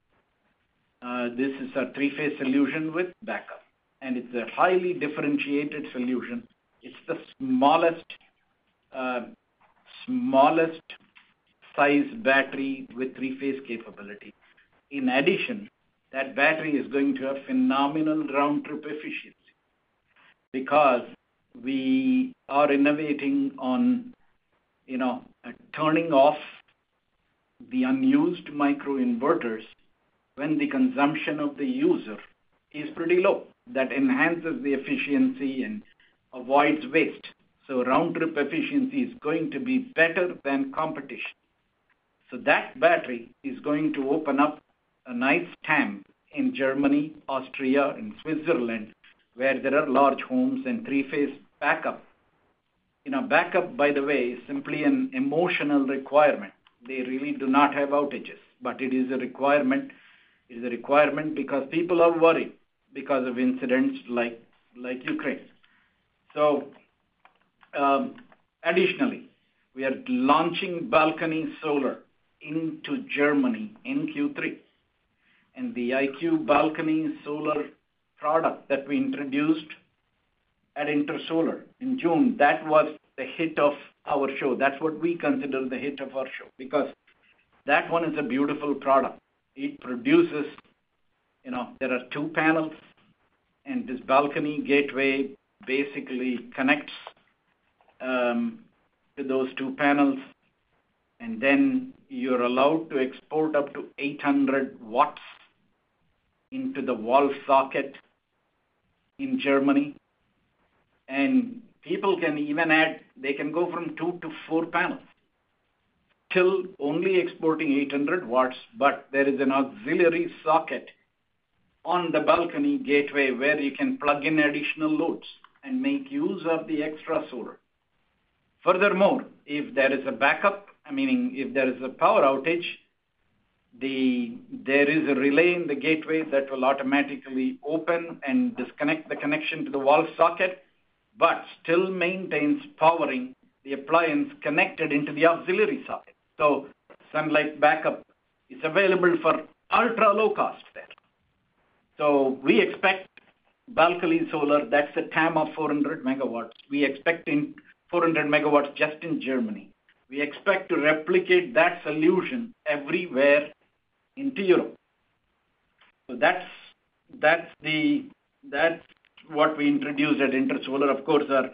This is our three-phase solution with backup. And it's a highly differentiated solution. It's the smallest size battery with three-phase capability. In addition, that battery is going to have phenomenal round-trip efficiency because we are innovating on turning off the unused microinverters when the consumption of the user is pretty low. That enhances the efficiency and avoids waste. So round-trip efficiency is going to be better than competition. So that battery is going to open up a nice time in Germany, Austria, and Switzerland, where there are large homes and three-phase backup. Backup, by the way, is simply an emotional requirement. They really do not have outages, but it is a requirement. It is a requirement because people are worried because of incidents like Ukraine. So additionally, we are launching balcony solar into Germany in Q3. And the IQ balcony solar product that we introduced at Intersolar in June, that was the hit of our show. That's what we consider the hit of our show because that one is a beautiful product. It produces. There are two panels, and this balcony gateway basically connects to those two panels. Then you're allowed to export up to 800 watts into the wall socket in Germany. People can even add; they can go from two to four panels till only exporting 800 watts, but there is an auxiliary socket on the balcony gateway where you can plug in additional loads and make use of the extra solar. Furthermore, if there is a backup, meaning if there is a power outage, there is a relay in the gateway that will automatically open and disconnect the connection to the wall socket, but still maintains powering the appliance connected into the auxiliary socket. So sunlight backup is available for ultra-low cost there. We expect balcony solar. That's a TAM of 400 MW. We expect 400 MW just in Germany. We expect to replicate that solution everywhere into Europe. That's what we introduced at Intersolar. Of course, our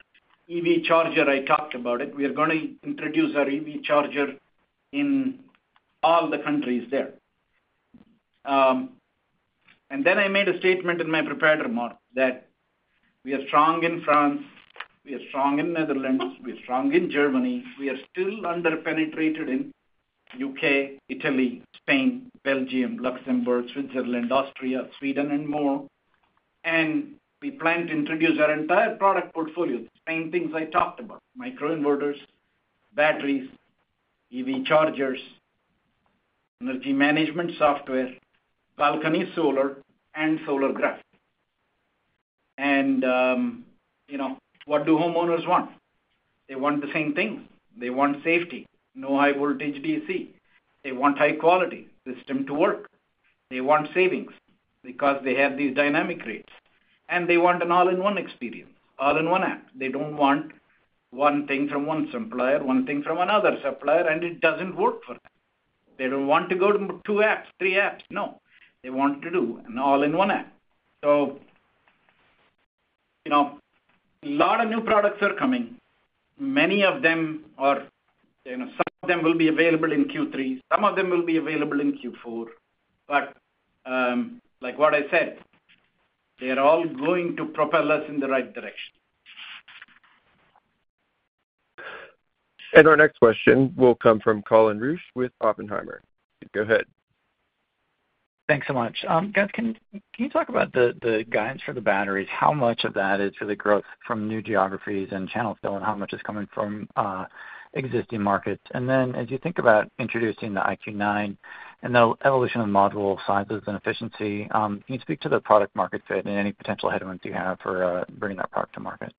EV Charger, I talked about it. We are going to introduce our EV Charger in all the countries there. And then I made a statement in my prepared remark that we are strong in France. We are strong in Netherlands. We are strong in Germany. We are still under-penetrated in UK, Italy, Spain, Belgium, Luxembourg, Switzerland, Austria, Sweden, and more. And we plan to introduce our entire product portfolio, the same things I talked about: microinverters, batteries, EV Chargers, energy management software, balcony solar, and SolarGraph. And what do homeowners want? They want the same things. They want safety, no high-voltage DC. They want high-quality system to work. They want savings because they have these dynamic rates. And they want an all-in-one experience, all-in-one app. They don't want one thing from one supplier, one thing from another supplier, and it doesn't work for them. They don't want to go to two apps, three apps. No. They want to do an all-in-one app. So a lot of new products are coming. Many of them or some of them will be available in Q3. Some of them will be available in Q4. But like what I said, they are all going to propel us in the right direction. And our next question will come from Colin Rusch with Oppenheimer. Go ahead. Thanks so much. Can you talk about the guidance for the batteries? How much of that is for the growth from new geographies and channel fill, and how much is coming from existing markets? And then as you think about introducing the IQ9 and the evolution of module sizes and efficiency, can you speak to the product market fit and any potential headwinds you have for bringing that product to market?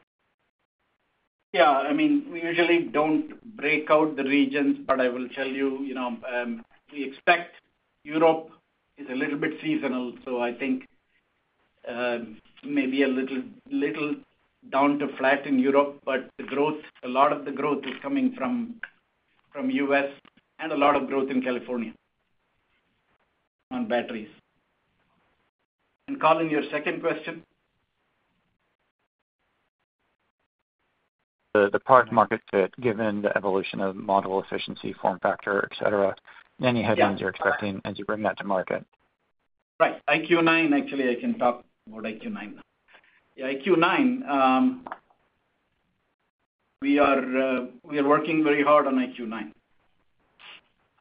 Yeah I mean, we usually don't break out the regions, but I will tell you we expect Europe is a little bit seasonal. So I think maybe a little down to flat in Europe, but a lot of the growth is coming from U.S. and a lot of growth in California on batteries. And Colin, your second question? The product market fit, given the evolution of module efficiency, form factor, etc., any headwinds you're expecting as you bring that to market? Right. IQ9, actually, I can talk about IQ9 now. Yeah, IQ9, we are working very hard on IQ9.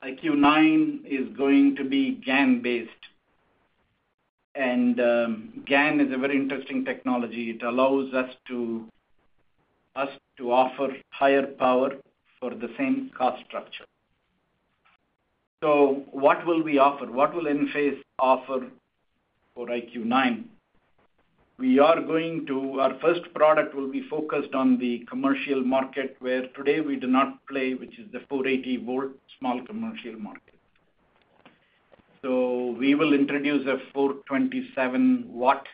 IQ9 is going to be GaN based. And GaN is a very interesting technology. It allows us to offer higher power for the same cost structure. So what will we offer? What will Enphase offer for IQ9? Our first product will be focused on the commercial market where today we do not play, which is the 480-volt small commercial market. So we will introduce a 427-watt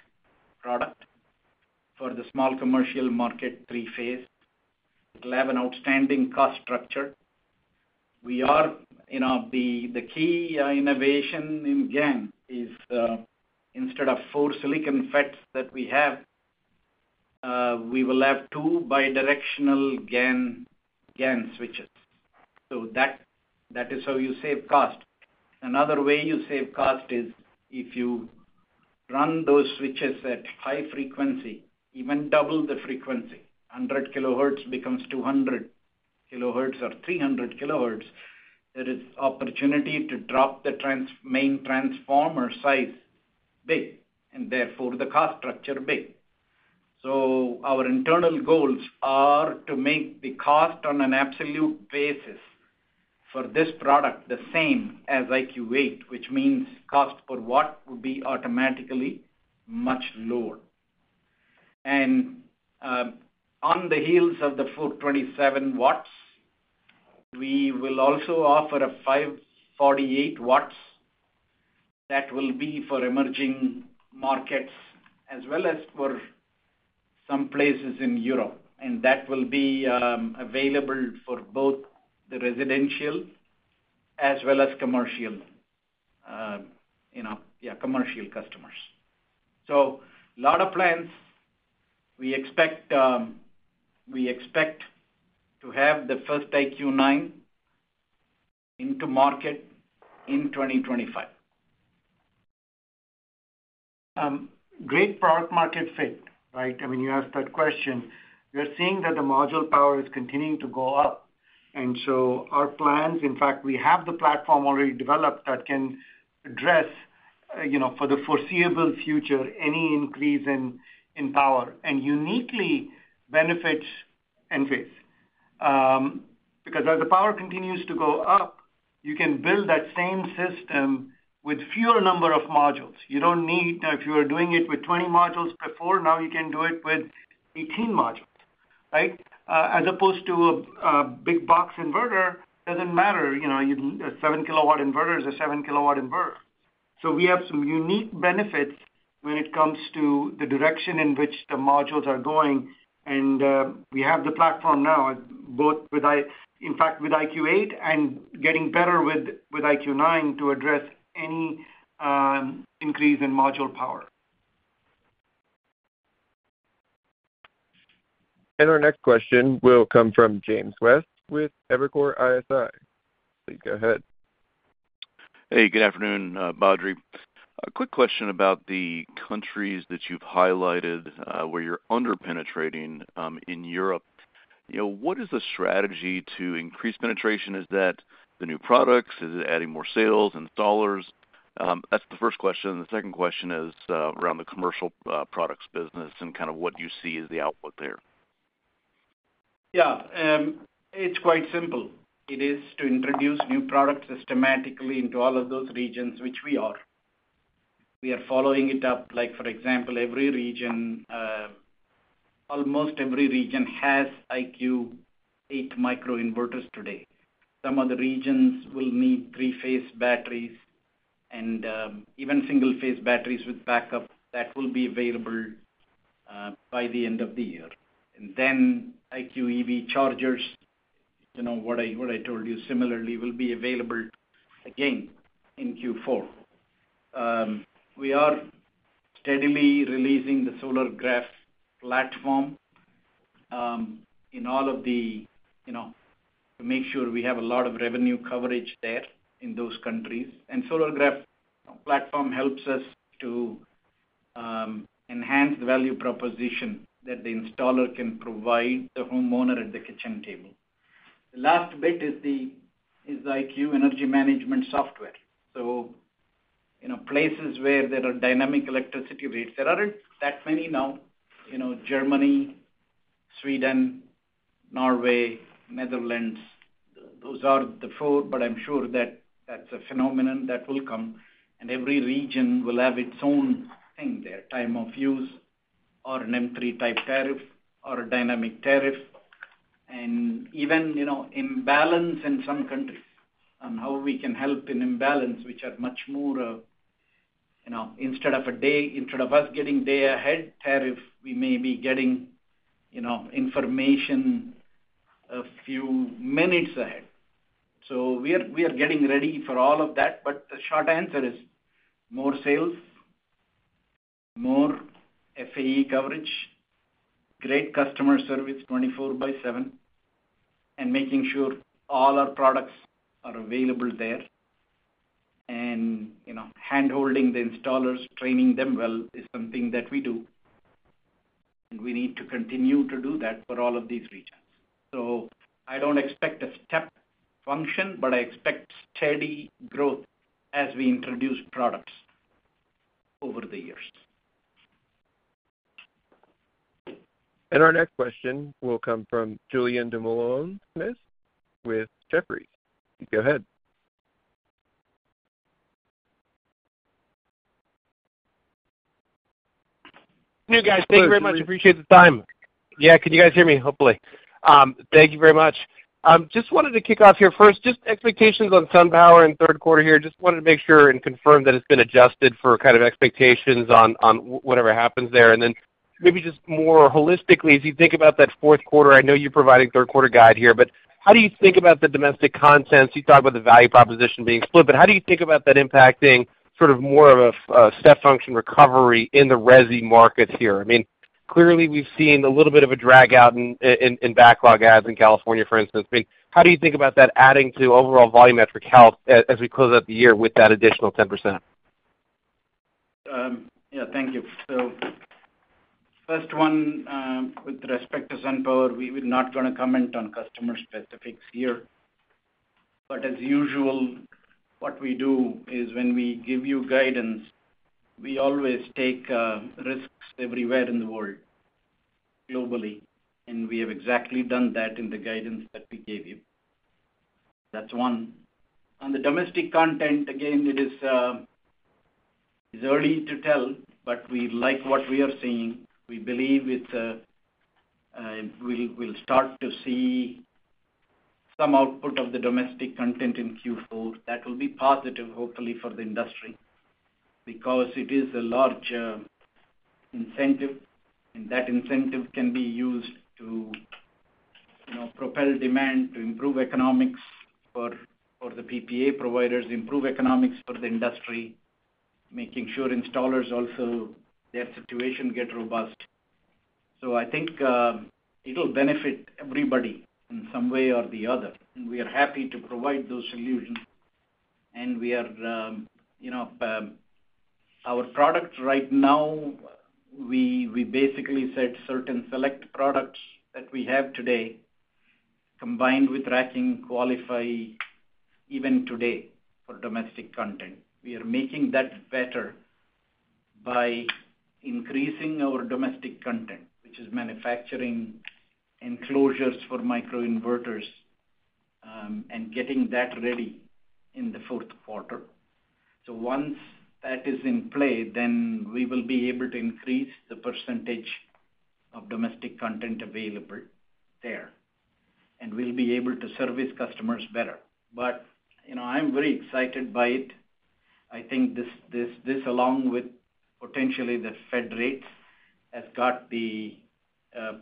product for the small commercial market, three-phase. It will have an outstanding cost structure. The key innovation in GaN is instead of 4 silicon FETs that we have, we will have 2 bidirectional GaN switches. So that is how you save cost. Another way you save cost is if you run those switches at high frequency, even double the frequency, 100 kHz becomes 200 kHz or 300 kHz, there is opportunity to drop the main transformer size big, and therefore the cost structure big. So our internal goals are to make the cost on an absolute basis for this product the same as IQ8, which means cost per watt would be automatically much lower. On the heels of the 427 watts, we will also offer a 548-watt that will be for emerging markets as well as for some places in Europe. That will be available for both the residential as well as commercial customers. So a lot of plans. We expect to have the first IQ9 into market in 2025. Great product market fit, right? I mean, you asked that question. We are seeing that the module power is continuing to go up. And so our plans, in fact, we have the platform already developed that can address, for the foreseeable future, any increase in power and uniquely benefits Enphase. Because as the power continues to go up, you can build that same system with fewer number of modules. You don't need now, if you were doing it with 20 modules before, now you can do it with 18 modules, right? As opposed to a big box inverter, it doesn't matter. A 7-kW inverter is a 7-kW inverter. So we have some unique benefits when it comes to the direction in which the modules are going. And we have the platform now, in fact, with IQ8 and getting better with IQ9 to address any increase in module power. And our next question will come from James West with Evercore ISI. Please go ahead. Hey, good afternoon, Badri. A quick question about the countries that you've highlighted where you're under-penetrating in Europe. What is the strategy to increase penetration? Is that the new products? Is it adding more sales and installers? That's the first question. The second question is around the commercial products business and kind of what you see as the outlook there. Yeah. It's quite simple. It is to introduce new products systematically into all of those regions, which we are. We are following it up. For example, almost every region has IQ8 microinverters today. Some of the regions will need three-phase batteries and even single-phase batteries with backup that will be available by the end of the year. Then IQ EV Chargers, what I told you similarly, will be available again in Q4. We are steadily releasing the SolarGraph platform in all of them to make sure we have a lot of revenue coverage there in those countries. The SolarGraph platform helps us to enhance the value proposition that the installer can provide the homeowner at the kitchen table. The last bit is the IQ Energy Management software. Places where there are dynamic electricity rates, there aren't that many now. Germany, Sweden, Norway, Netherlands, those are the 4, but I'm sure that that's a phenomenon that will come. And every region will have its own thing there, time of use or an NEM 3.0 type tariff or a dynamic tariff. And even imbalance in some countries on how we can help in imbalance, which are much more instead of a day instead of us getting day ahead tariff, we may be getting information a few minutes ahead. So we are getting ready for all of that. But the short answer is more sales, more FAE coverage, great customer service 24 by 7, and making sure all our products are available there. And handholding the installers, training them well is something that we do. And we need to continue to do that for all of these regions. So I don't expect a step function, but I expect steady growth as we introduce products over the years. And our next question will come from Julien Dumoulin-Smith with Jefferies. Go ahead. Hey, guys. Thank you very much. Appreciate the time. Yeah. Can you guys hear me? Hopefully. Thank you very much. Just wanted to kick off here first. Just expectations on SunPower in Q3 here. Just wanted to make sure and confirm that it's been adjusted for kind of expectations on whatever happens there. And then maybe just more holistically, as you think about that Q4, I know you're providing Q3 guide here, but how do you think about the domestic content? You talked about the value proposition being split, but how do you think about that impacting sort of more of a step function recovery in the resi market here? I mean, clearly, we've seen a little bit of a drag out in backlog adds in California, for instance. I mean, how do you think about that adding to overall volumetric health as we close out the year with that additional 10%? Yeah. Thank you. So first one, with respect to SunPower, we're not going to comment on customer specifics here. But as usual, what we do is when we give you guidance, we always take risks everywhere in the world, globally. And we have exactly done that in the guidance that we gave you. That's one. On the domestic content, again, it is early to tell, but we like what we are seeing. We believe we'll start to see some output of the domestic content in Q4. That will be positive, hopefully, for the industry because it is a large incentive. That incentive can be used to propel demand, to improve economics for the PPA providers, improve economics for the industry, making sure installers also their situation gets robust. So I think it'll benefit everybody in some way or the other. And we are happy to provide those solutions. And our product right now, we basically set certain select products that we have today combined with racking qualify even today for domestic content. We are making that better by increasing our domestic content, which is manufacturing enclosures for microinverters and getting that ready in the Q4. So once that is in play, then we will be able to increase the percentage of domestic content available there. And we'll be able to service customers better. But I'm very excited by it. I think this, along with potentially the Fed rates, has got the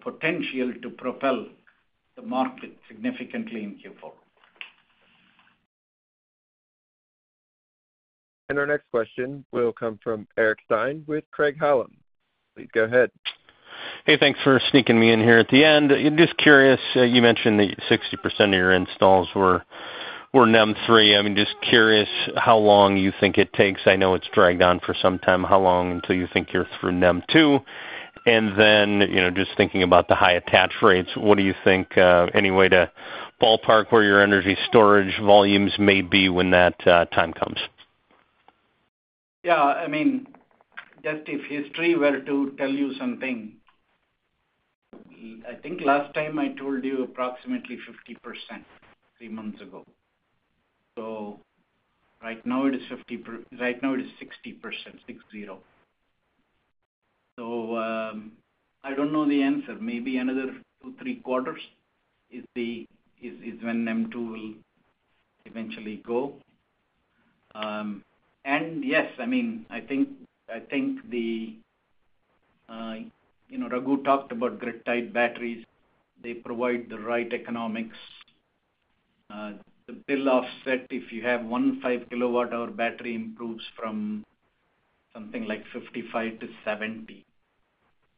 potential to propel the market significantly in Q4. Our next question will come from Eric Stine with Craig-Hallum. Please go ahead. Hey, thanks for sneaking me in here at the end. Just curious, you mentioned that 60% of your installs were NEM 3.0. I'm just curious how long you think it takes. I know it's dragged on for some time. How long until you think you're through NEM 2.0? And then just thinking about the high attach rates, what do you think any way to ballpark where your energy storage volumes may be when that time comes? Yeah. I mean, just if history were to tell you something, I think last time I told you approximately 50% 3 months ago. So right now it is 50%. Right now it is 60%, 6-0. So I don't know the answer. Maybe another 2, 3 quarters is when NEM 2.0 will eventually go. And yes, I mean, I think the Raghu talked about grid-tied batteries. They provide the right economics. The bill offset if you have one 5 kWh battery improves from something like 55%-70%.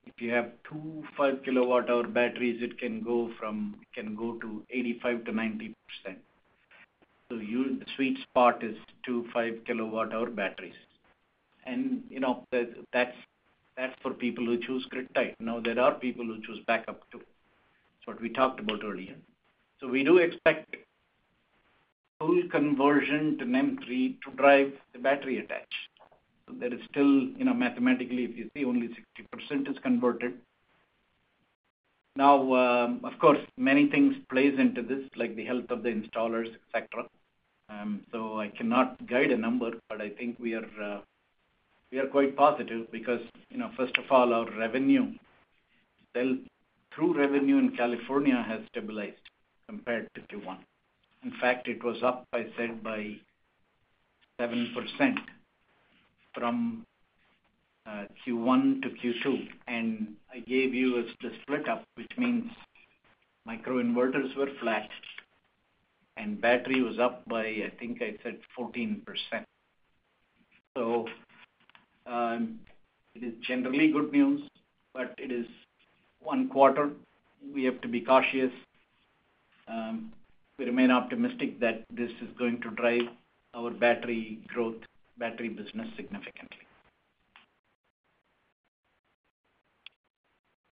If you have two 5 kWh batteries, it can go from it can go to 85%-90%. So the sweet spot is two 5 kWh batteries. And that's for people who choose grid-tied. Now, there are people who choose backup too. It's what we talked about earlier. So we do expect full conversion to NEM 3.0 to drive the battery attach. So there is still mathematically, if you see, only 60% is converted. Now, of course, many things play into this, like the health of the installers, etc. So I cannot guide a number, but I think we are quite positive because, first of all, our revenue growth in California has stabilized compared to Q1. In fact, it was up, I said, by 7% from Q1 to Q2. And I gave you the split-up, which means microinverters were flat and battery was up by, I think I said, 14%. So it is generally good news, but it is one quarter. We have to be cautious. We remain optimistic that this is going to drive our battery growth, battery business significantly.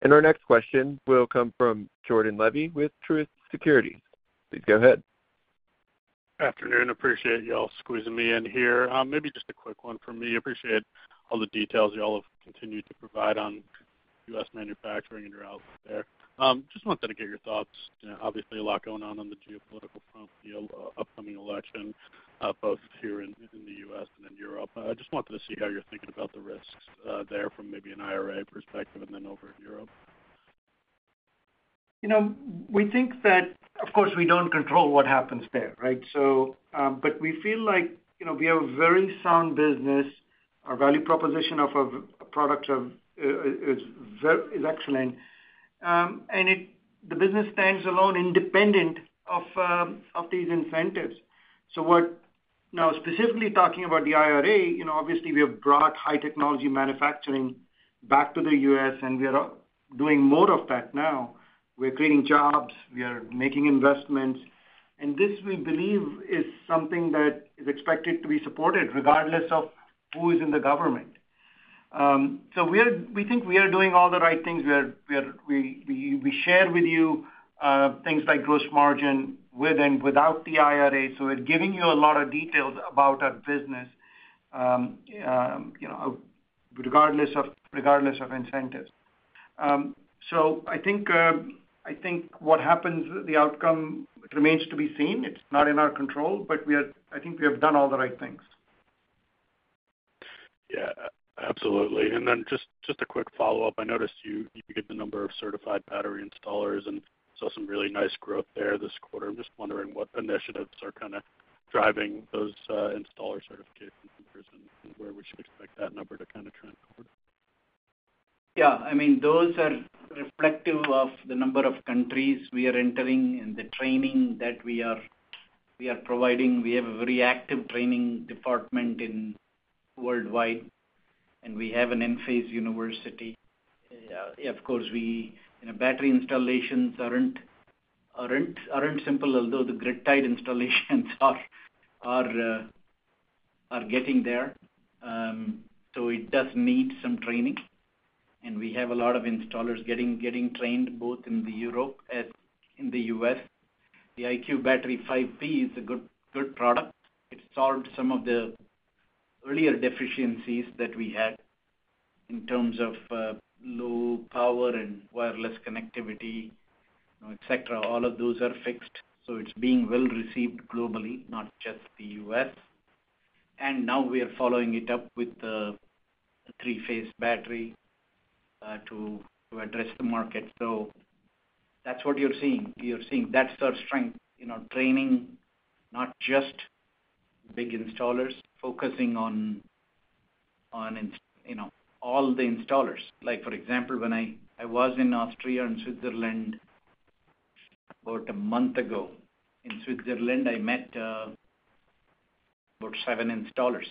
And our next question will come from Jordan Levy with Truist Securities. Please go ahead. Good afternoon. Appreciate y'all squeezing me in here. Maybe just a quick one for me. Appreciate all the details y'all have continued to provide on U.S. manufacturing and your outlook there. Just wanted to get your thoughts. Obviously, a lot going on on the geopolitical front, the upcoming election, both here in the U.S. and in Europe. I just wanted to see how you're thinking about the risks there from maybe an IRA perspective and then over in Europe. We think that, of course, we don't control what happens there, right? But we feel like we have a very sound business. Our value proposition of a product is excellent. And the business stands alone, independent of these incentives. So now, specifically talking about the IRA, obviously, we have brought high technology manufacturing back to the U.S., and we are doing more of that now. We're creating jobs. We are making investments. And this, we believe, is something that is expected to be supported regardless of who is in the government. So we think we are doing all the right things. We share with you things like gross margin with and without the IRA. So we're giving you a lot of details about our business regardless of incentives. So I think what happens, the outcome, it remains to be seen. It's not in our control, but I think we have done all the right things. Yeah. Absolutely. And then just a quick follow-up. I noticed you gave the number of certified battery installers and saw some really nice growth there this quarter. I'm just wondering what initiatives are kind of driving those installer certifications and where we should expect that number to kind of trend toward. Yeah. I mean, those are reflective of the number of countries we are entering and the training that we are providing. We have a very active training department worldwide, and we have an Enphase University. Of course, battery installations aren't simple, although the grid-tied installations are getting there. So it does need some training. And we have a lot of installers getting trained both in Europe and in the U.S. The IQ Battery 5P is a good product. It solved some of the earlier deficiencies that we had in terms of low power and wireless connectivity, etc. All of those are fixed. So it's being well received globally, not just the U.S. And now we are following it up with the three-phase battery to address the market. So that's what you're seeing. You're seeing that's our strength, training not just big installers, focusing on all the installers. For example, when I was in Austria and Switzerland about a month ago, in Switzerland, I met about seven installers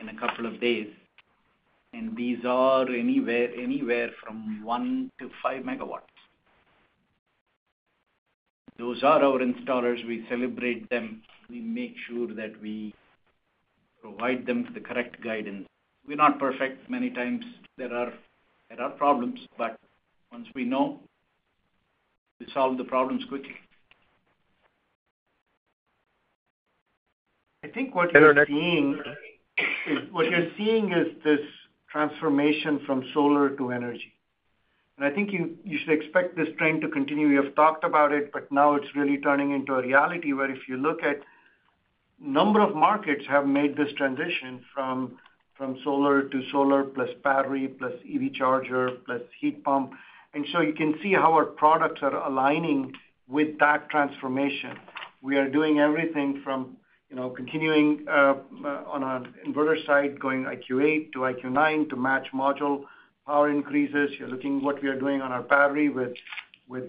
in a couple of days. And these are anywhere from 1 MW to 5 MW. Those are our installers. We celebrate them. We make sure that we provide them the correct guidance. We're not perfect. Many times, there are problems, but once we know, we solve the problems quickly. I think what you're seeing is this transformation from solar to energy. I think you should expect this trend to continue. We have talked about it, but now it's really turning into a reality where if you look at a number of markets have made this transition from solar to solar plus battery plus EV Charger plus heat pump. So you can see how our products are aligning with that transformation. We are doing everything from continuing on our inverter side, going IQ8 to IQ9 to match module power increases. You're looking at what we are doing on our battery with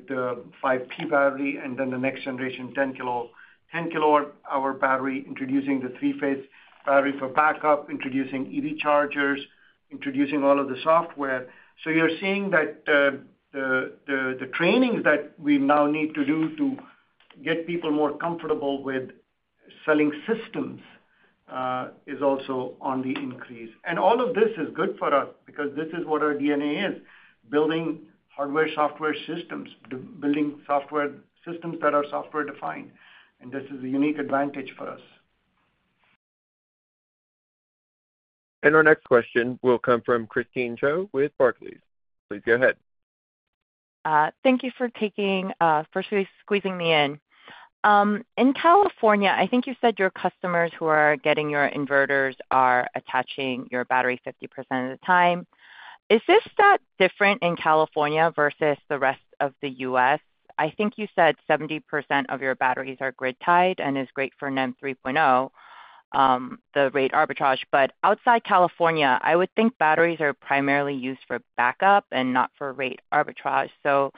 the 5P battery and then the next generation 10 kWh battery, introducing the three-phase battery for backup, introducing EV Chargers, introducing all of the software. So you're seeing that the trainings that we now need to do to get people more comfortable with selling systems is also on the increase. And all of this is good for us because this is what our DNA is: building hardware-software systems, building software systems that are software-defined. And this is a unique advantage for us. And our next question will come from Christine Cho with Barclays. Please go ahead. Thank you for taking firstly squeezing me in. In California, I think you said your customers who are getting your inverters are attaching your battery 50% of the time. Is this that different in California versus the rest of the U.S.? I think you said 70% of your batteries are grid-tied and is great for NEM 3.0, the rate arbitrage. But outside California, I would think batteries are primarily used for backup and not for rate arbitrage. So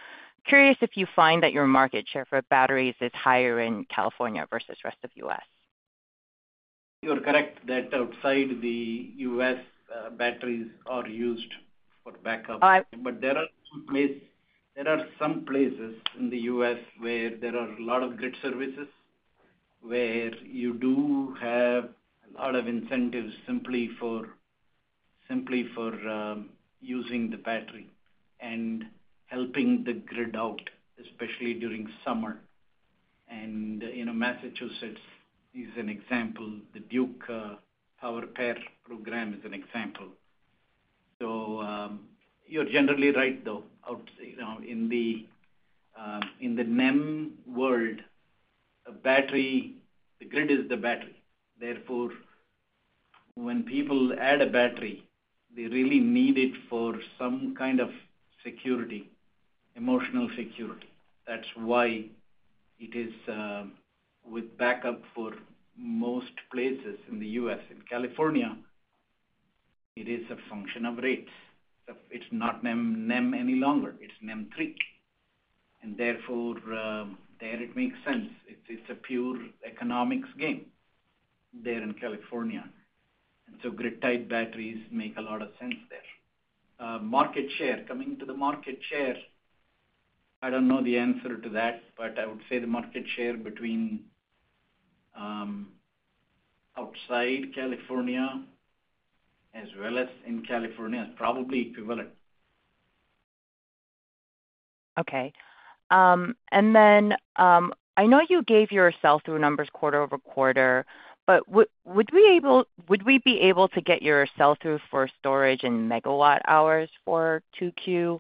curious if you find that your market share for batteries is higher in California versus the rest of the U.S. You're correct that outside the U.S., batteries are used for backup. But there are some places in the U.S. where there are a lot of grid services where you do have a lot of incentives simply for using the battery and helping the grid out, especially during summer. And Massachusetts is an example. The Duke PowerPair program is an example. So you're generally right, though. In the NEM world, the grid is the battery. Therefore, when people add a battery, they really need it for some kind of security, emotional security. That's why it is with backup for most places in the U.S. In California, it is a function of rates. It's not NEM any longer. It's NEM 3.0. And therefore, there it makes sense. It's a pure economics game there in California. And so grid-tied batteries make a lot of sense there. Market share, coming to the market share, I don't know the answer to that, but I would say the market share between outside California as well as in California is probably equivalent. Okay. And then I know you gave your sell-through numbers quarter-over-quarter, but would we be able to get your sell-through for storage in MWh for Q2?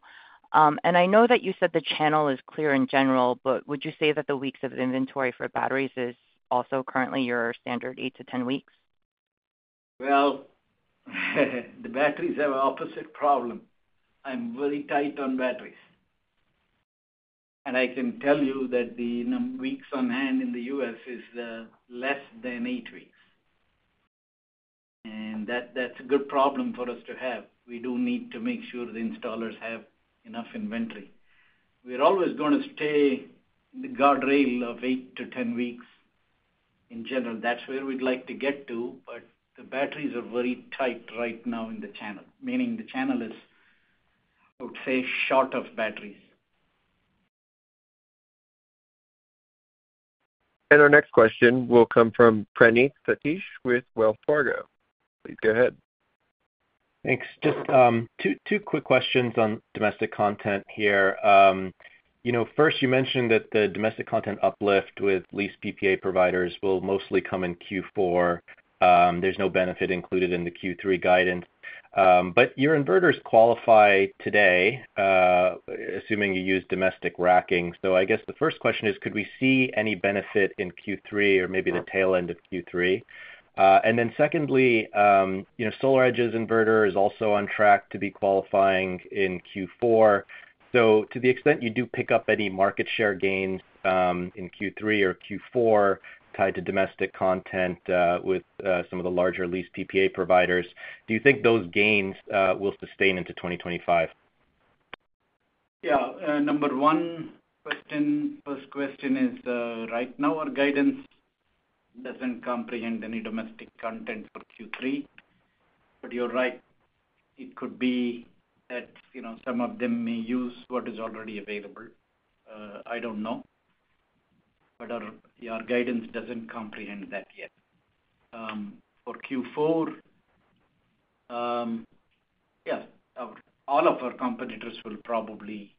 And I know that you said the channel is clear in general, but would you say that the weeks of inventory for batteries is also currently your standard 8 to 10 weeks? Well, the batteries have an opposite problem. I'm very tight on batteries. I can tell you that the weeks on hand in the U.S. is less than 8 weeks. That's a good problem for us to have. We do need to make sure the installers have enough inventory. We're always going to stay in the guardrail of 8-10 weeks in general. That's where we'd like to get to, but the batteries are very tight right now in the channel, meaning the channel is, I would say, short of batteries. Our next question will come from Praneeth Satish with Wells Fargo. Please go ahead. Thanks. Just two quick questions on domestic content here. First, you mentioned that the domestic content uplift with lease/PPA providers will mostly come in Q4. There's no benefit included in the Q3 guidance. But your inverters qualify today, assuming you use domestic racking. So I guess the first question is, could we see any benefit in Q3 or maybe the tail end of Q3? And then secondly, SolarEdge's inverter is also on track to be qualifying in Q4. So to the extent you do pick up any market share gains in Q3 or Q4 tied to domestic content with some of the larger lease PPA providers, do you think those gains will sustain into 2025? Yeah. Number one, first question is right now our guidance doesn't comprehend any domestic content for Q3. But you're right. It could be that some of them may use what is already available. I don't know. But our guidance doesn't comprehend that yet. For Q4, yeah, all of our competitors will probably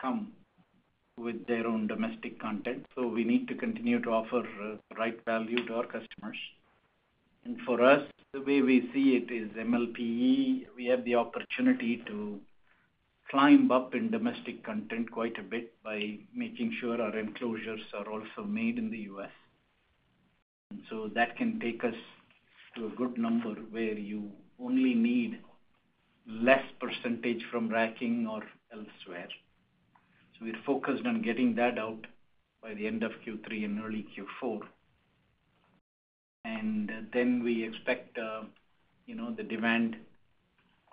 come with their own domestic content. So we need to continue to offer the right value to our customers. And for us, the way we see it is MLPE. We have the opportunity to climb up in domestic content quite a bit by making sure our enclosures are also made in the U.S. And so that can take us to a good number where you only need less percentage from racking or elsewhere. So we're focused on getting that out by the end of Q3 and early Q4. And then we expect the demand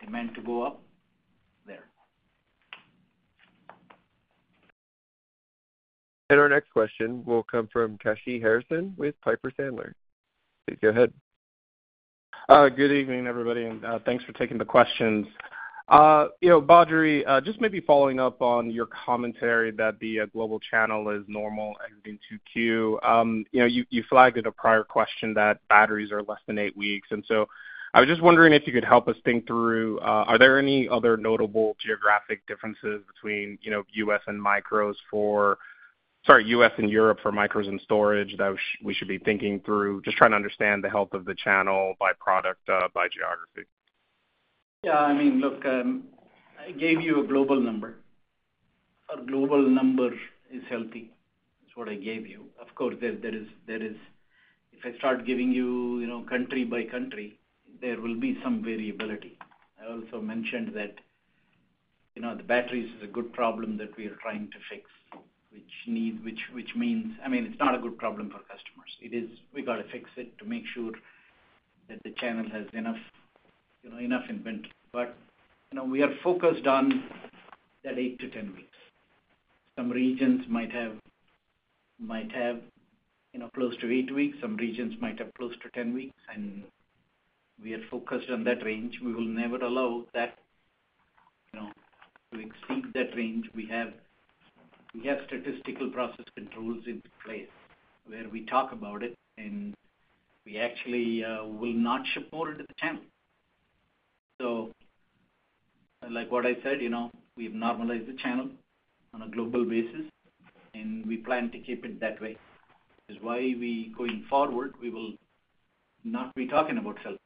to go up there. And our next question will come from Kashy Harrison with Piper Sandler. Please go ahead. Good evening, everybody. And thanks for taking the questions. Badri, just maybe following up on your commentary that the global channel is normal exiting Q2, you flagged at a prior question that batteries are less than 8 weeks. And so I was just wondering if you could help us think through, are there any other notable geographic differences between U.S. and micros for sorry, U.S. and Europe for micros and storage that we should be thinking through, just trying to understand the health of the channel by product, by geography? Yeah. I mean, look, I gave you a global number. Our global number is healthy. That's what I gave you. Of course, there is, if I start giving you country by country, there will be some variability. I also mentioned that the batteries is a good problem that we are trying to fix, which means, I mean, it's not a good problem for customers. We got to fix it to make sure that the channel has enough inventory. But we are focused on that 8-10 weeks. Some regions might have close to 8 weeks. Some regions might have close to 10 weeks. We are focused on that range. We will never allow that to exceed that range. We have statistical process controls in place where we talk about it, and we actually will not ship more into the channel. Like what I said, we've normalized the channel on a global basis, and we plan to keep it that way. It's why going forward, we will not be talking about sell-through.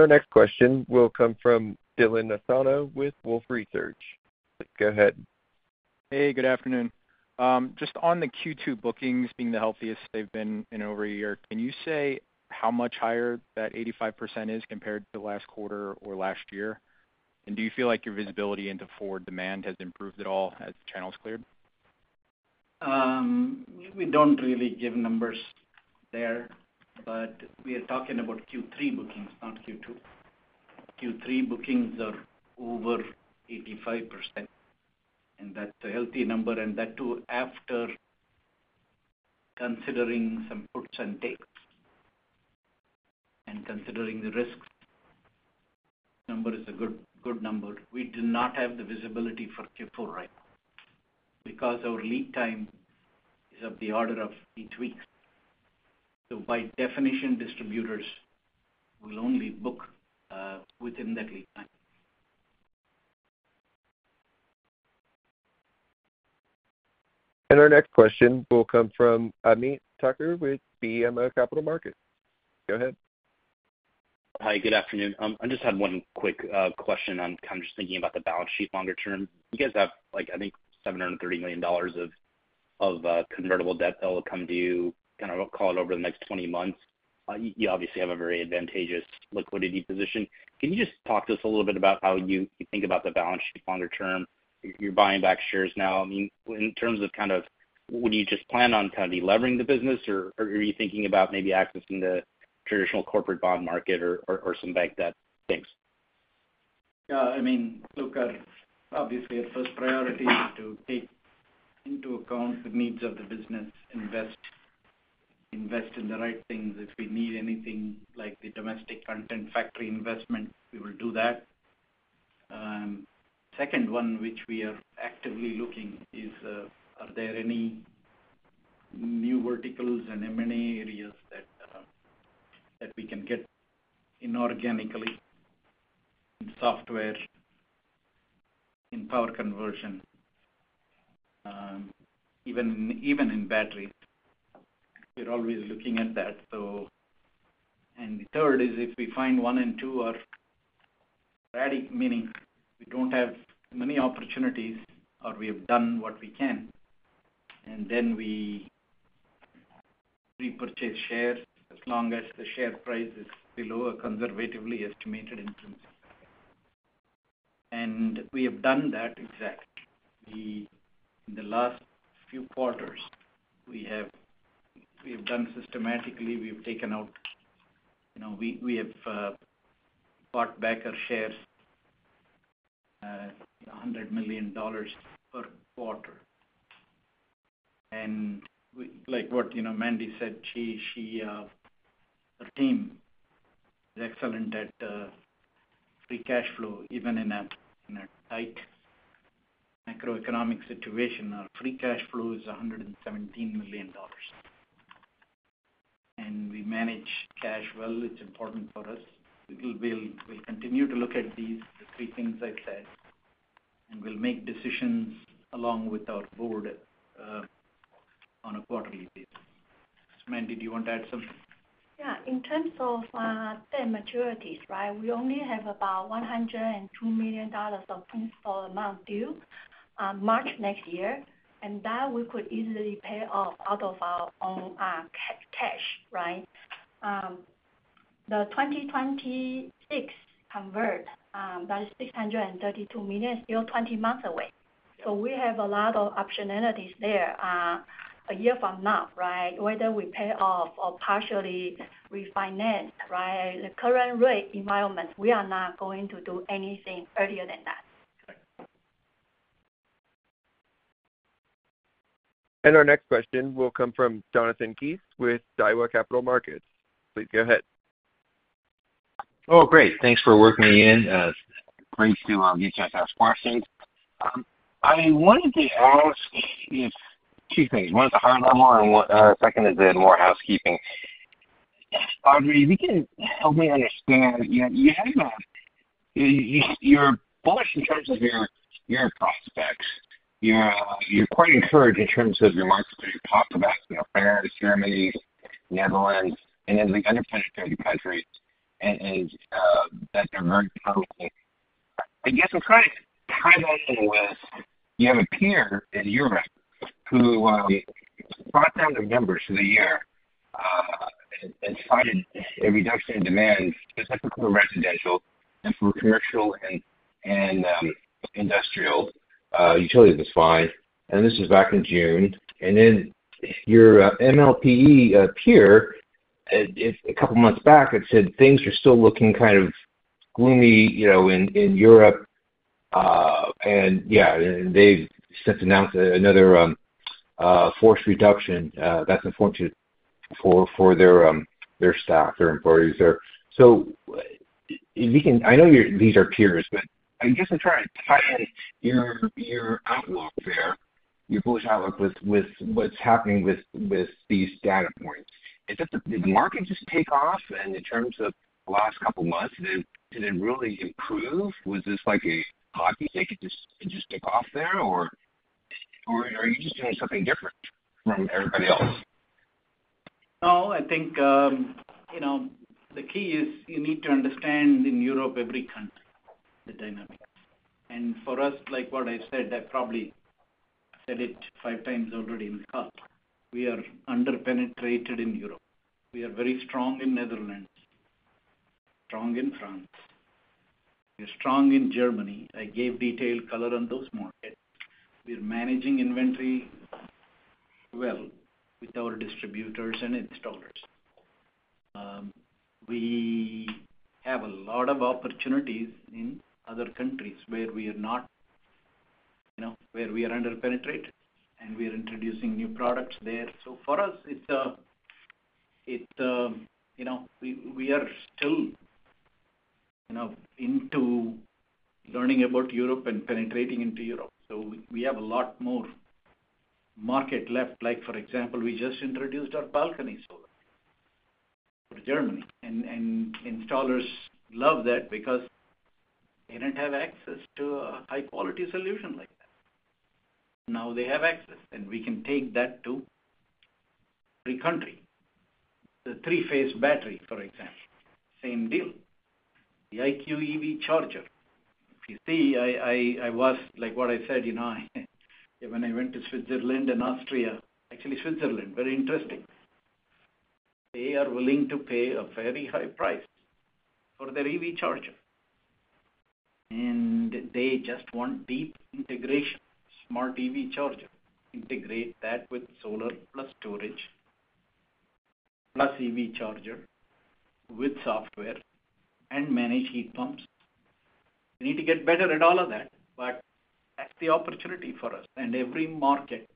Our next question will come from Dylan Asano with Wolfe Research. Please go ahead. Hey, good afternoon. Just on the Q2 bookings being the healthiest they've been in over a year, can you say how much higher that 85% is compared to last quarter or last year? Do you feel like your visibility into forward demand has improved at all as the channel's cleared? We don't really give numbers there, but we are talking about Q3 bookings, not Q2. Q3 bookings are over 85%. And that's a healthy number. And that too, after considering some puts and takes and considering the risks, number is a good number. We do not have the visibility for Q4 right now because our lead time is of the order of eight weeks. So by definition, distributors will only book within that lead time. And our next question will come from Ameet Thakkar with BMO Capital Markets. Go ahead. Hi, good afternoon. I just had one quick question. I'm kind of just thinking about the balance sheet longer term. You guys have, I think, $730 million of convertible debt that will come to you, kind of call it over the next 20 months. You obviously have a very advantageous liquidity position. Can you just talk to us a little bit about how you think about the balance sheet longer term? You're buying back shares now. I mean, in terms of kind of, would you just plan on kind of delivering the business, or are you thinking about maybe accessing the traditional corporate bond market or some bank debt things? Yeah. I mean, look, obviously, our first priority is to take into account the needs of the business, invest in the right things. If we need anything like the domestic content factory investment, we will do that. Second one, which we are actively looking, is are there any new verticals and M&A areas that we can get inorganically in software, in power conversion, even in batteries? We're always looking at that. The third is if we find one and two are ready, meaning we don't have many opportunities, or we have done what we can, and then we repurchase shares as long as the share price is below a conservatively estimated income. And we have done that exactly. In the last few quarters, we have done systematically. We have bought back our shares, $100 million per quarter. And like what Mandy said, her team is excellent at free cash flow, even in a tight macroeconomic situation. Our free cash flow is $117 million. And we manage cash well. It's important for us. We'll continue to look at these three things I said, and we'll make decisions along with our board on a quarterly basis. Mandy, do you want to add something? Yeah In terms of the maturities, right, we only have about $102 million of principal amount due March next year, and that we could easily pay off out of our own cash, right? The 2026 convert, that is $632 million, still 20 months away. So we have a lot of optionalities there a year from now, right? Whether we pay off or partially refinance, right? The current rate environment, we are not going to do anything earlier than that. And our next question will come from Jonathan Kees with Daiwa Capital Markets. Please go ahead. Oh, great. Thanks for working me in. Great to get to ask questions. I wanted to ask if two things. One is a higher level, and second is more housekeeping. Badri, if you can help me understand, you're bullish in terms of your prospects. You're quite encouraged in terms of your markets that you talk about, the Americas, Germany, Netherlands, and then the other parts of the country, and that they're very promising. I guess I'm trying to tie that in with you have a peer in Europe who brought down the numbers for the year and cited a reduction in demand, specifically for residential and for commercial and industrial utilities supply. And this is back in June. And then your MLPE peer, a couple of months back, had said things are still looking kind of gloomy in Europe. And yeah, they've since announced another forced reduction. That's important for their staff, their employees. So I know these are peers, but I guess I'm trying to tie in your outlook there, your bullish outlook with what's happening with these data points. Did the market just take off? In terms of the last couple of months, did it really improve? Was this like a hockey stick? Did it just take off there, or are you just doing something different from everybody else? No, I think the key is you need to understand in Europe every country, the dynamics. And for us, like what I said, I probably said it 5x already in the call. We are underpenetrated in Europe. We are very strong in Netherlands, strong in France. We're strong in Germany. I gave detailed color on those markets. We're managing inventory well with our distributors and installers. We have a lot of opportunities in other countries where we are not, where we are underpenetrated, and we are introducing new products there. So for us, it's a we are still into learning about Europe and penetrating into Europe. So we have a lot more market left. Like for example, we just introduced our balcony solar for Germany. And installers love that because they don't have access to a high-quality solution like that. Now they have access, and we can take that to every country. The three-phase battery, for example, same deal. The IQ EV Charger, if you see, I was like what I said, when I went to Switzerland and Austria, actually Switzerland, very interesting. They are willing to pay a very high price for their EV Charger. And they just want deep integration, smart EV Charger. Integrate that with solar plus storage plus EV Charger with software and manage heat pumps. We need to get better at all of that, but that's the opportunity for us. And every market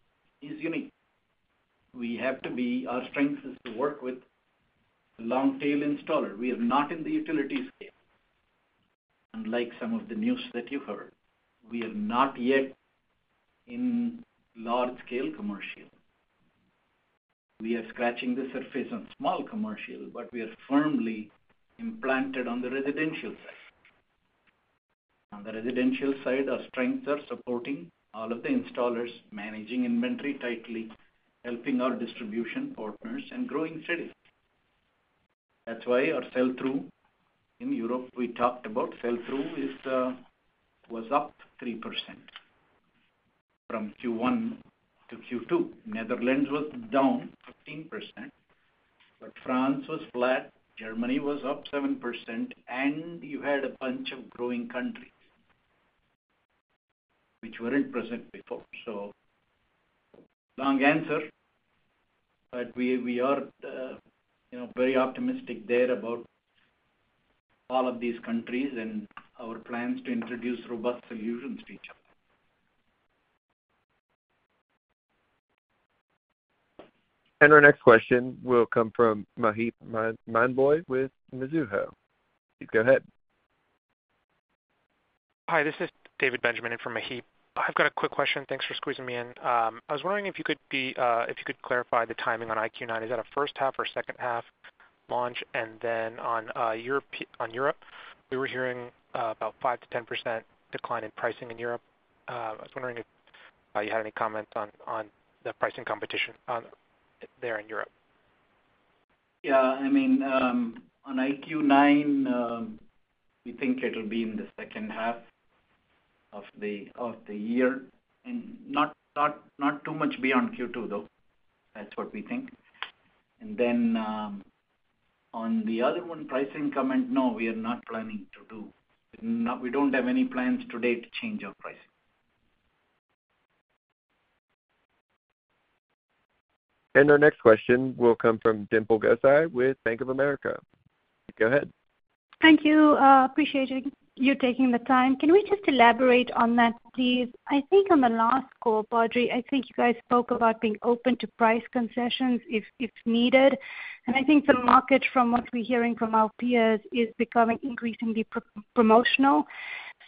is unique. We have to be our strength is to work with long-tail installers. We are not in the utility space. Unlike some of the news that you've heard, we are not yet in large-scale commercial. We are scratching the surface on small commercial, but we are firmly implanted on the residential side. On the residential side, our strengths are supporting all of the installers, managing inventory tightly, helping our distribution partners, and growing steadily. That's why our sell-through in Europe, we talked about sell-through, was up 3% from Q1 to Q2. Netherlands was down 15%, but France was flat, Germany was up 7%, and you had a bunch of growing countries which weren't present before. So long answer, but we are very optimistic there about all of these countries and our plans to introduce robust solutions to each other. And our next question will come from Maheep Mandloi with Mizuho. Please go ahead. Hi, this is David Benjamin from Maheep. I've got a quick question. Thanks for squeezing me in. I was wondering if you could clarify the timing on IQ9. Is that a H2 or H2 launch? And then on Europe, we were hearing about 5%-10% decline in pricing in Europe. I was wondering if you had any comments on the pricing competition there in Europe. Yeah. I mean, on IQ9, we think it'll be in the H2 of the year, and not too much beyond Q2, though. That's what we think. And then on the other one, pricing comment, no, we are not planning to do. We don't have any plans today to change our pricing. And our next question will come from Dimple Gosai with Bank of America. Go ahead. Thank you. Appreciate you taking the time. Can we just elaborate on that, please? I think on the last scope, Badri, I think you guys spoke about being open to price concessions if needed. And I think the market, from what we're hearing from our peers, is becoming increasingly promotional.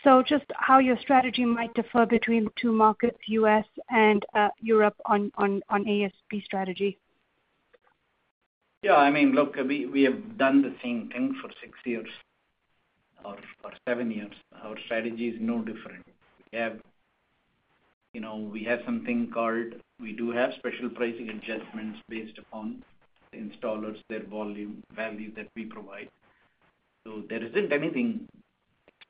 So just how your strategy might differ between the two markets, US and Europe, on ASP strategy? Yeah. I mean, look, we have done the same thing for six years or seven years. Our strategy is no different. We have something called. We do have special pricing adjustments based upon the installers, their volume, value that we provide. So there isn't anything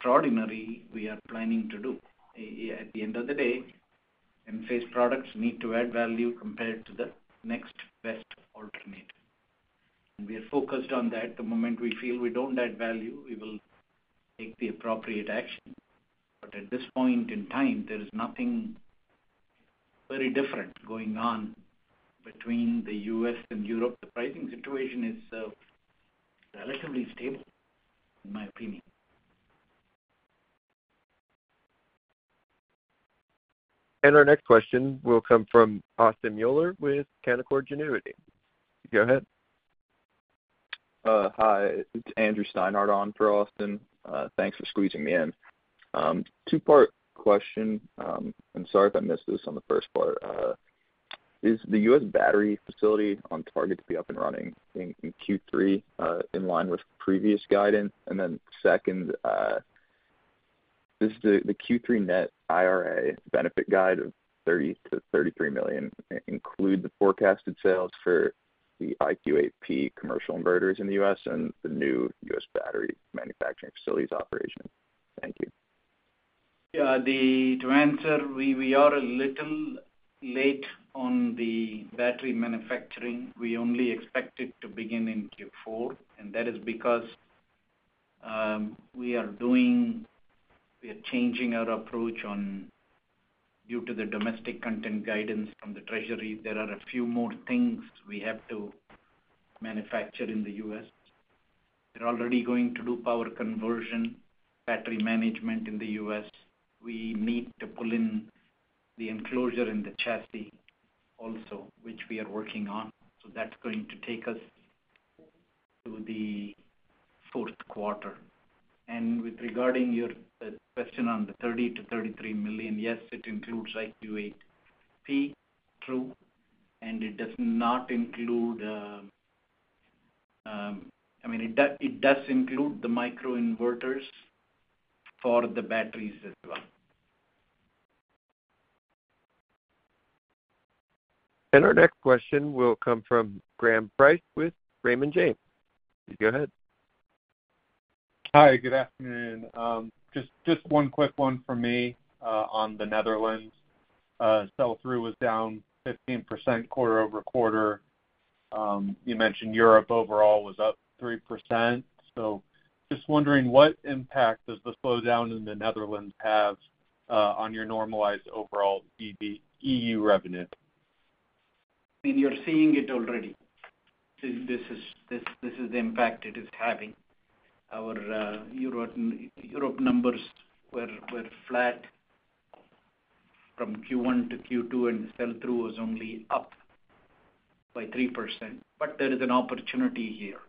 extraordinary we are planning to do. At the end of the day, Enphase products need to add value compared to the next best alternative. And we are focused on that. The moment we feel we don't add value, we will take the appropriate action. But at this point in time, there is nothing very different going on between the U.S. and Europe. The pricing situation is relatively stable, in my opinion. And our next question will come from Austin Moeller with Canaccord Genuity. Go ahead. Hi. It's Andrew Steinhardt on for Austin. Thanks for squeezing me in. Two-part question. I'm sorry if I missed this on the first part. Is the U.S. battery facility on target to be up and running in Q3 in line with previous guidance? And then second, does the Q3 net IRA benefit guide of $30 million-$33 million include the forecasted sales for the IQ8P commercial inverters in the U.S. and the new U.S. battery manufacturing facilities operation? Thank you. Yeah. To answer, we are a little late on the battery manufacturing. We only expect it to begin in Q4. And that is because we are changing our approach due to the domestic content guidance from the Treasury. There are a few more things we have to manufacture in the U.S. We're already going to do power conversion, battery management in the U.S. We need to pull in the enclosure and the chassis also, which we are working on. So that's going to take us to the Q4. And with regard to your question on the $30 million-$33 million, yes, it includes IQ8P through, and it does not include I mean, it does include the microinverters for the batteries as well. And our next question will come from Graham Price with Raymond James. Please go ahead. Hi. Good afternoon. Just one quick one for me on the Netherlands. Sell-through was down 15% quarter-over-quarter. You mentioned Europe overall was up 3%. So just wondering, what impact does the slowdown in the Netherlands have on your normalized overall EU revenue? I mean, you're seeing it already. This is the impact it is having. Our Europe numbers were flat from Q1 to Q2, and sell-through was only up by 3%. But there is an opportunity here.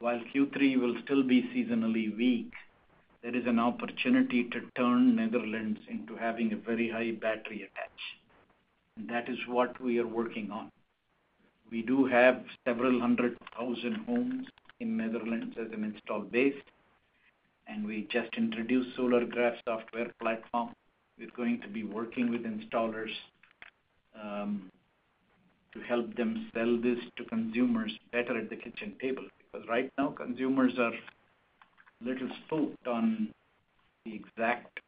While Q3 will still be seasonally weak, there is an opportunity to turn Netherlands into having a very high battery attach. And that is what we are working on. We do have several hundred thousand homes in Netherlands as an install base, and we just introduced SolarGraph software platform. We're going to be working with installers to help them sell this to consumers better at the kitchen table because right now, consumers are a little spooked on the exact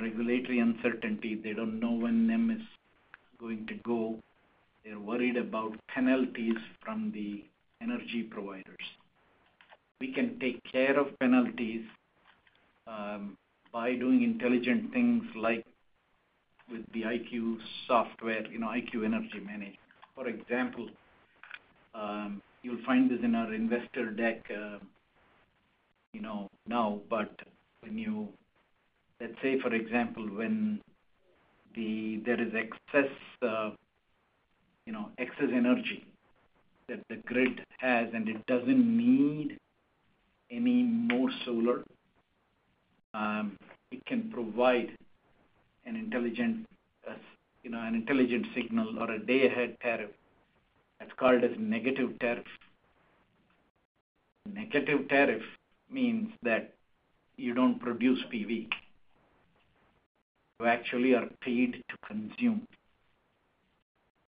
regulatory uncertainty. They don't know when NEM is going to go. They're worried about penalties from the energy providers. We can take care of penalties by doing intelligent things like with the IQ software, IQ Energy Management. For example, you'll find this in our investor deck now, but when you let's say, for example, when there is excess energy that the grid has, and it doesn't need any more solar, it can provide an intelligent signal or a day-ahead tariff. That's called a negative tariff. Negative tariff means that you don't produce PV. You actually are paid to consume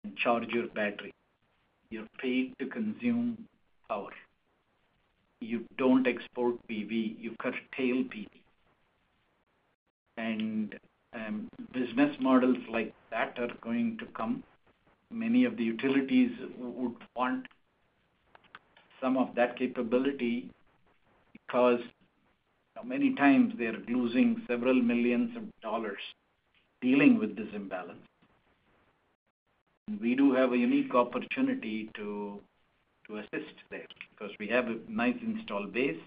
and charge your battery. You're paid to consume power. You don't export PV. You curtail PV. And business models like that are going to come. Many of the utilities would want some of that capability because many times they are losing several $ millions dealing with this imbalance. We do have a unique opportunity to assist there because we have a nice installed base.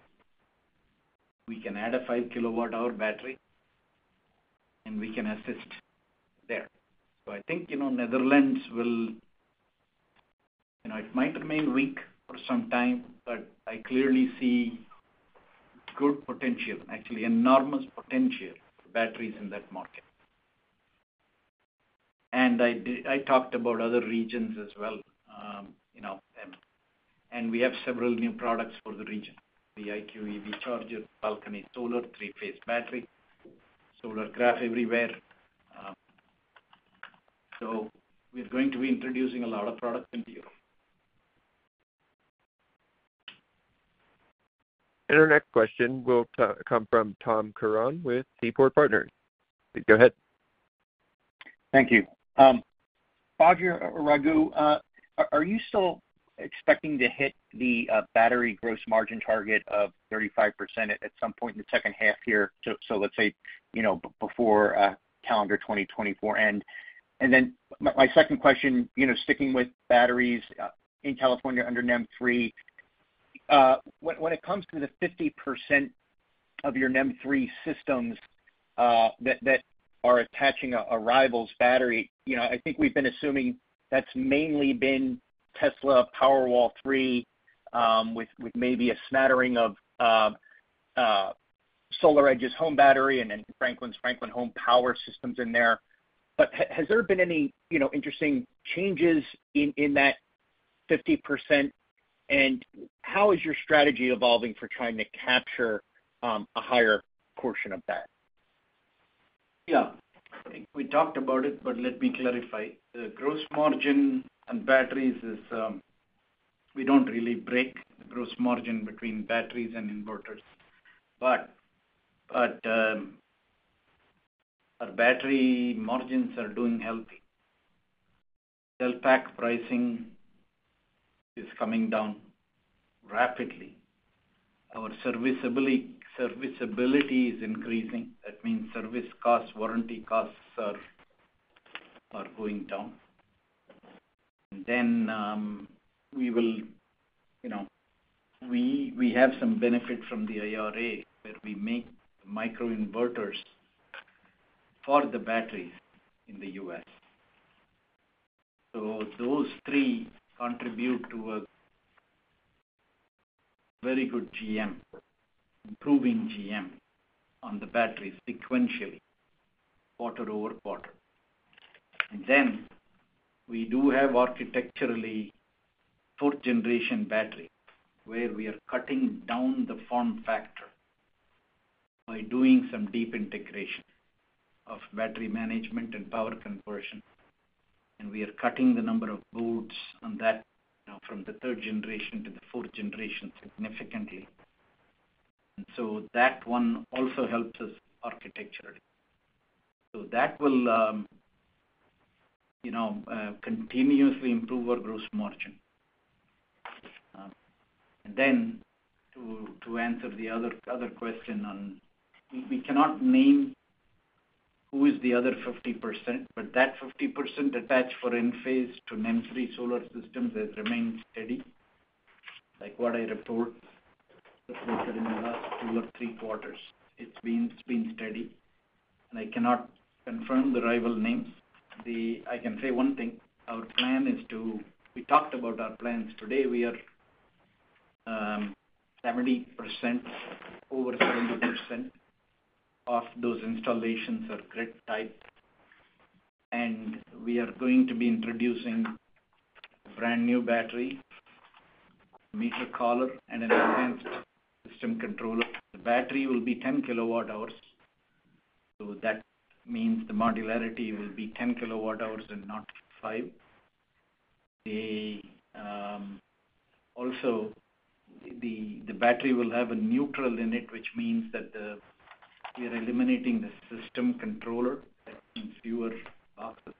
We can add a 5 kWh battery, and we can assist there. So I think Netherlands will, it might remain weak for some time, but I clearly see good potential, actually enormous potential for batteries in that market. And I talked about other regions as well. And we have several new products for the region: the IQ EV Charger, balcony solar, three-phase battery, SolarGraph everywhere. So we're going to be introducing a lot of products in Europe. And our next question will come from Tom Curran with Seaport Partners. Please go ahead. Thank you. Badri Kothandaraman, are you still expecting to hit the battery gross margin target of 35% at some point in the H2 here? So let's say before calendar 2024. Then my second question, sticking with batteries in California under NEM 3.0, when it comes to the 50% of your NEM 3.0 systems that are attaching a rival's battery, I think we've been assuming that's mainly been Tesla Powerwall 3 with maybe a smattering of SolarEdge's home battery and then Franklin's Franklin Home Power systems in there. Has there been any interesting changes in that 50%? And how is your strategy evolving for trying to capture a higher portion of that? Yeah. We talked about it, but let me clarify. The gross margin on batteries is we don't really break the gross margin between batteries and inverters. But our battery margins are doing healthy. Cell pack pricing is coming down rapidly. Our serviceability is increasing. That means service costs, warranty costs are going down. And then we have some benefit from the IRA where we make microinverters for the batteries in the U.S. So those three contribute to a very good GM, improving GM on the batteries sequentially, quarter over quarter. And then we do have architecturally fourth generation battery where we are cutting down the form factor by doing some deep integration of battery management and power conversion. And we are cutting the number of boards on that from the third generation to the fourth generation significantly. And so that one also helps us architecturally. So that will continuously improve our gross margin. And then to answer the other question, we cannot name who is the other 50%, but that 50% attached for Enphase to NEM 3.0 solar systems has remained steady, like what I reported in the last two or three quarters. It's been steady. I cannot confirm the rival names. I can say one thing. Our plan is to we talked about our plans today. We are 70%, over 70% of those installations are grid-tied. We are going to be introducing a brand new battery, a meter collar, and an advanced system controller. The battery will be 10 kWh. So that means the modularity will be 10 kWh and not 5. Also, the battery will have a neutral in it, which means that we are eliminating the system controller and fewer boxes.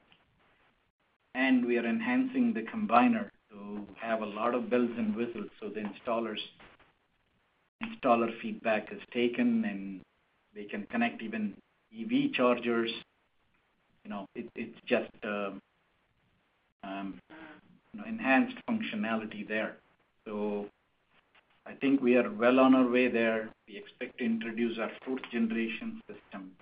We are enhancing the combiner to have a lot of bells and whistles. So the installer feedback is taken, and they can connect even EV Chargers. It's just enhanced functionality there. So I think we are well on our way there. We expect to introduce our fourth generation system,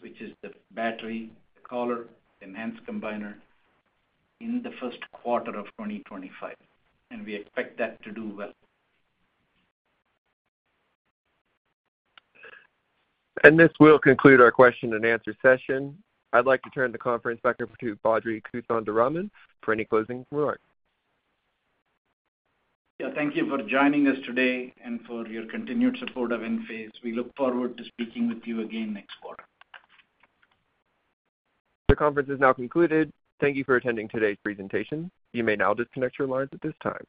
which is the battery, the collar, the enhanced combiner in the Q1 2025. We expect that to do well. This will conclude our question and answer session. I'd like to turn the conference back over to Badri Kothandaraman for any closing remarks. Yeah. Thank you for joining us today and for your continued support of Enphase. We look forward to speaking with you again next quarter. The conference is now concluded. Thank you for attending today's presentation. You may now disconnect your lines at this time.